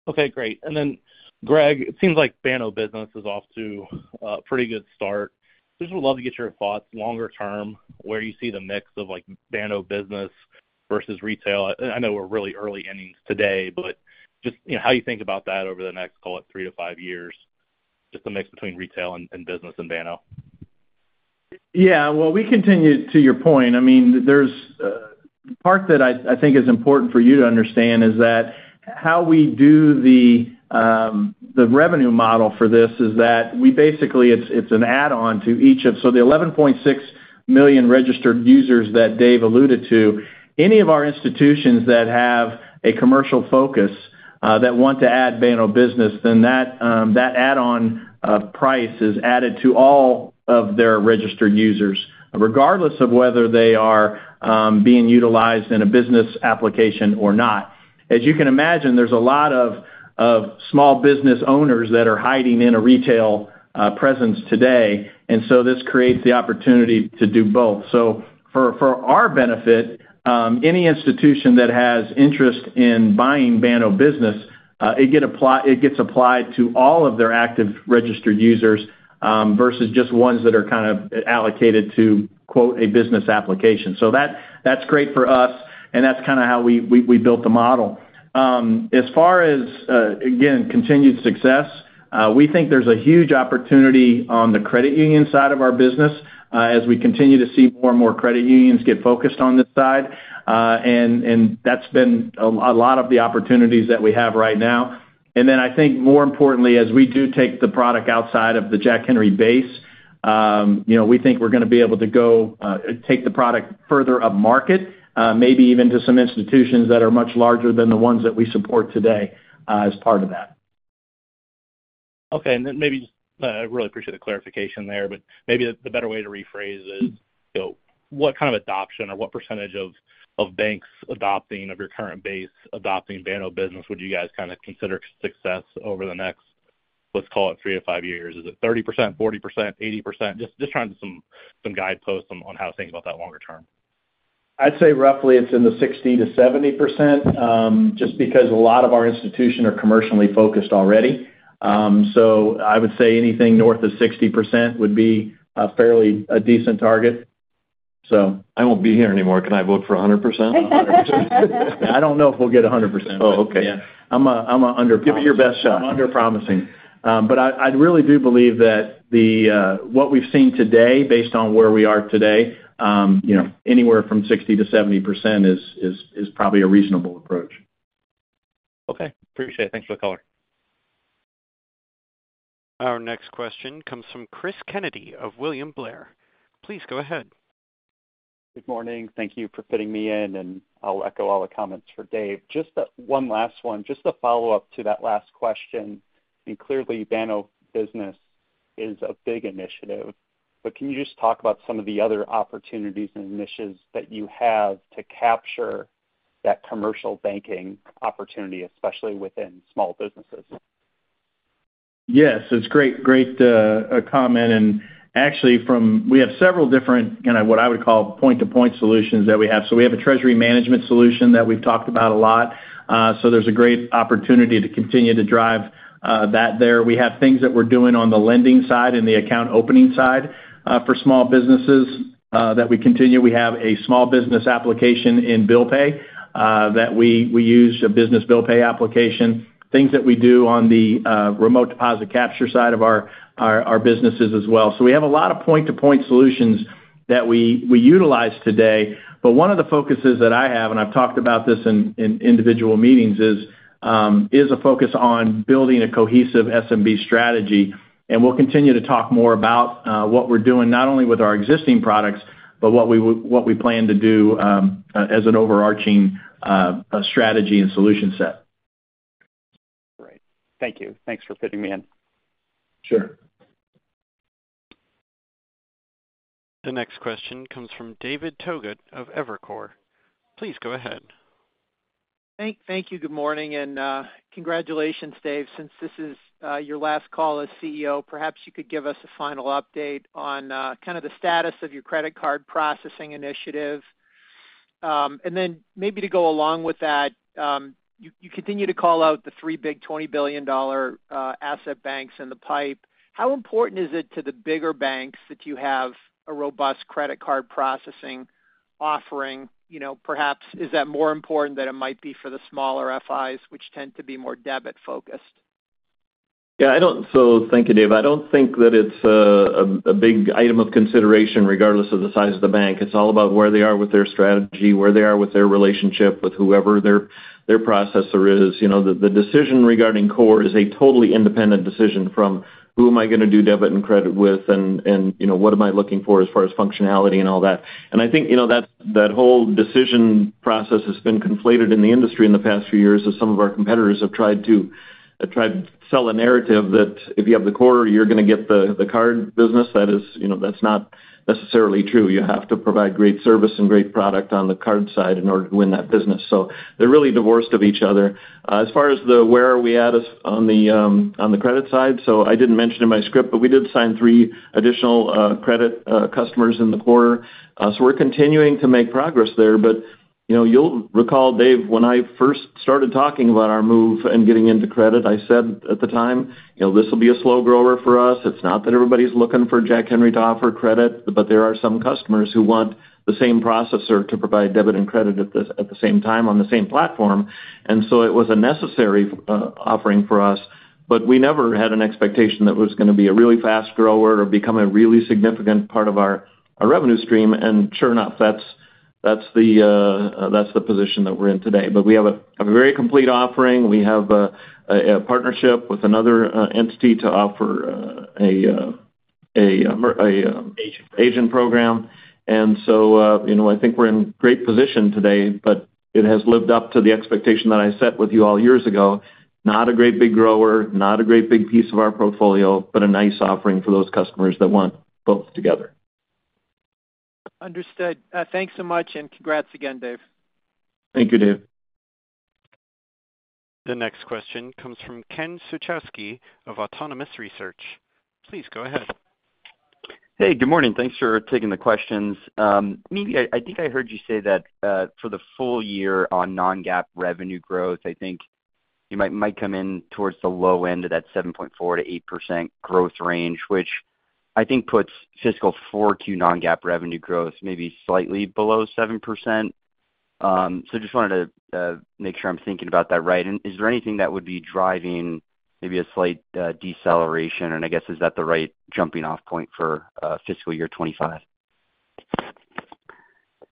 Okay. Great. And then, Greg, it seems like Banno Business is off to a pretty good start. I just would love to get your thoughts longer term, where you see the mix of Banno Business versus retail. I know we're really early innings today, but just how you think about that over the next, call it, 3-5 years, just the mix between retail and business and Banno. Yeah. Well, to your point, I mean, the part that I think is important for you to understand is that how we do the revenue model for this is that we basically it's an add-on to each of so the 11.6 million registered users that Dave alluded to, any of our institutions that have a commercial focus that want to add Banno Business, then that add-on price is added to all of their registered users regardless of whether they are being utilized in a business application or not. As you can imagine, there's a lot of small business owners that are hiding in a retail presence today, and so this creates the opportunity to do both. So for our benefit, any institution that has interest in buying Banno Business, it gets applied to all of their active registered users versus just ones that are kind of allocated to "a business application." So that's great for us, and that's kind of how we built the model. As far as, again, continued success, we think there's a huge opportunity on the credit union side of our business as we continue to see more and more credit unions get focused on this side. And that's been a lot of the opportunities that we have right now. And then I think more importantly, as we do take the product outside of the Jack Henry base, we think we're going to be able to go take the product further upmarket, maybe even to some institutions that are much larger than the ones that we support today as part of that. Okay. And then maybe just I really appreciate the clarification there, but maybe the better way to rephrase is what kind of adoption or what percentage of banks adopting of your current base adopting Banno Business would you guys kind of consider success over the next, let's call it, 3-5 years? Is it 30%, 40%, 80%? Just trying to get some guideposts on how to think about that longer term. I'd say roughly it's in the 60%-70% just because a lot of our institution are commercially focused already. So I would say anything north of 60% would be fairly a decent target, so. I won't be here anymore. Can I vote for 100%? 100%. I don't know if we'll get 100%. Oh, okay. Yeah. I'm an underpromising. Give it your best shot. I'm underpromising. But I really do believe that what we've seen today, based on where we are today, anywhere from 60%-70% is probably a reasonable approach. Okay. Appreciate it. Thanks for the caller. Our next question comes from Cris Kennedy of William Blair. Please go ahead. Good morning. Thank you for fitting me in, and I'll echo all the comments for Dave. Just one last one, just a follow-up to that last question. I mean, clearly, Banno Business is a big initiative, but can you just talk about some of the other opportunities and initiatives that you have to capture that commercial banking opportunity, especially within small businesses? Yes. It's a great comment. And actually, we have several different kinds of what I would call point-to-point solutions that we have. So we have a Treasury Management solution that we've talked about a lot. So there's a great opportunity to continue to drive that there. We have things that we're doing on the lending side and the account opening side for small businesses that we continue. We have a small business application in Bill Pay that we use, a business Bill Pay application, things that we do on the Remote Deposit Capture side of our businesses as well. So we have a lot of point-to-point solutions that we utilize today. But one of the focuses that I have - and I've talked about this in individual meetings - is a focus on building a cohesive SMB strategy. We'll continue to talk more about what we're doing not only with our existing products but what we plan to do as an overarching strategy and solution set. Great. Thank you. Thanks for fitting me in. Sure. The next question comes from David Togut of Evercore. Please go ahead. Thank you. Good morning. Congratulations, Dave. Since this is your last call as CEO, perhaps you could give us a final update on kind of the status of your credit card processing initiative. Then maybe to go along with that, you continue to call out the three big $20 billion asset banks in the pipe. How important is it to the bigger banks that you have a robust credit card processing offering? Perhaps, is that more important than it might be for the smaller FIs, which tend to be more debit-focused? Yeah. So thank you, Dave. I don't think that it's a big item of consideration regardless of the size of the bank. It's all about where they are with their strategy, where they are with their relationship with whoever their processor is. The decision regarding core is a totally independent decision from who am I going to do debit and credit with and what am I looking for as far as functionality and all that. And I think that whole decision process has been conflated in the industry in the past few years as some of our competitors have tried to sell a narrative that if you have the core, you're going to get the card business. That's not necessarily true. You have to provide great service and great product on the card side in order to win that business. So they're really divorced of each other. As far as where we are at on the credit side, so I didn't mention in my script, but we did sign three additional credit customers in the quarter. So we're continuing to make progress there. But you'll recall, Dave, when I first started talking about our move and getting into credit, I said at the time, "This will be a slow grower for us. It's not that everybody's looking for Jack Henry to offer credit, but there are some customers who want the same processor to provide debit and credit at the same time on the same platform." And so it was a necessary offering for us, but we never had an expectation that it was going to be a really fast grower or become a really significant part of our revenue stream. And sure enough, that's the position that we're in today. But we have a very complete offering. We have a partnership with another entity to offer an agent program. And so I think we're in great position today, but it has lived up to the expectation that I set with you all years ago. Not a great big grower, not a great big piece of our portfolio, but a nice offering for those customers that want both together. Understood. Thanks so much and congrats again, Dave. Thank you, Dave. The next question comes from Ken Suchoski of Autonomous Research. Please go ahead. Hey. Good morning. Thanks for taking the questions. I think I heard you say that for the full year on non-GAAP revenue growth, I think you might come in towards the low end of that 7.4%-8% growth range, which I think puts fiscal 4Q non-GAAP revenue growth maybe slightly below 7%. So just wanted to make sure I'm thinking about that right. Is there anything that would be driving maybe a slight deceleration? I guess is that the right jumping-off point for fiscal year 2025?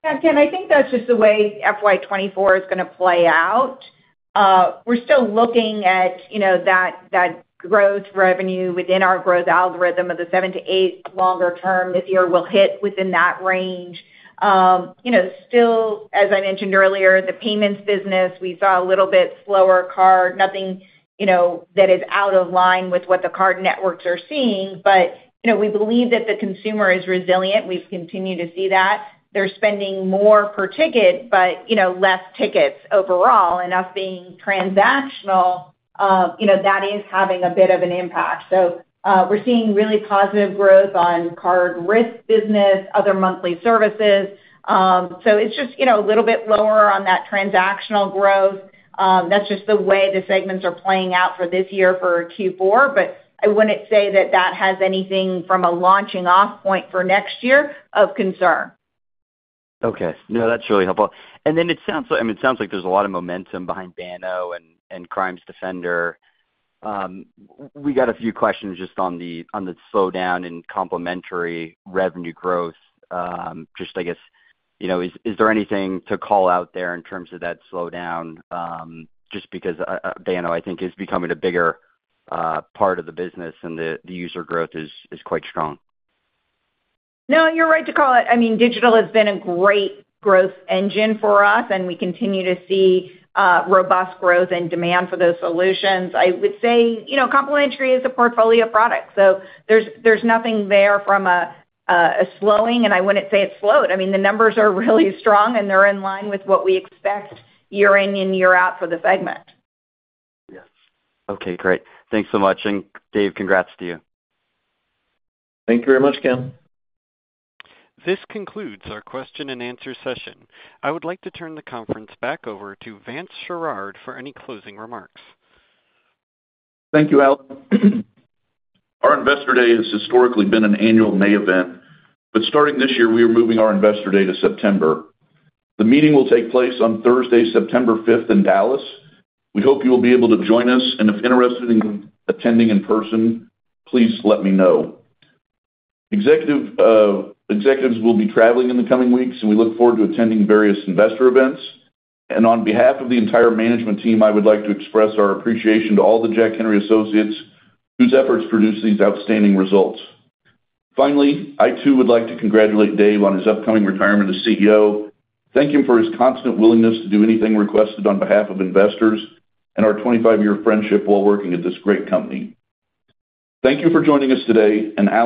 Yeah. Ken, I think that's just the way FY 2024 is going to play out. We're still looking at that growth revenue within our growth algorithm of the 7-8 longer term. This year, we'll hit within that range. Still, as I mentioned earlier, the payments business, we saw a little bit slower card, nothing that is out of line with what the card networks are seeing. But we believe that the consumer is resilient. We've continued to see that. They're spending more per ticket but less tickets overall. And us being transactional, that is having a bit of an impact. So we're seeing really positive growth on card risk business, other monthly services. So it's just a little bit lower on that transactional growth. That's just the way the segments are playing out for this year for Q4, but I wouldn't say that that has anything from a launching-off point for next year of concern. Okay. No, that's really helpful. And then it sounds like I mean, it sounds like there's a lot of momentum behind Banno and Financial Crimes Defender. We got a few questions just on the slowdown and complementary revenue growth. Just, I guess, is there anything to call out there in terms of that slowdown just because Banno, I think, is becoming a bigger part of the business and the user growth is quite strong? No, you're right to call it. I mean, digital has been a great growth engine for us, and we continue to see robust growth and demand for those solutions. I would say complementary is a portfolio product. So there's nothing there from a slowing, and I wouldn't say it's slowed. I mean, the numbers are really strong, and they're in line with what we expect year in and year out for the segment. Yes. Okay. Great. Thanks so much. And, Dave, congrats to you. Thank you very much, Ken. This concludes our question-and-answer session. I would like to turn the conference back over to Vance Sherard for any closing remarks. Thank you, Al. Our Investor Day has historically been an annual May event, but starting this year, we are moving our Investor Day to September. The meeting will take place on Thursday, September 5th, in Dallas. We hope you will be able to join us, and if interested in attending in person, please let me know. Executives will be traveling in the coming weeks, and we look forward to attending various investor events. And on behalf of the entire management team, I would like to express our appreciation to all the Jack Henry & Associates whose efforts produce these outstanding results. Finally, I too would like to congratulate Dave on his upcoming retirement as CEO. Thank him for his constant willingness to do anything requested on behalf of investors and our 25-year friendship while working at this great company. Thank you for joining us today, and Al.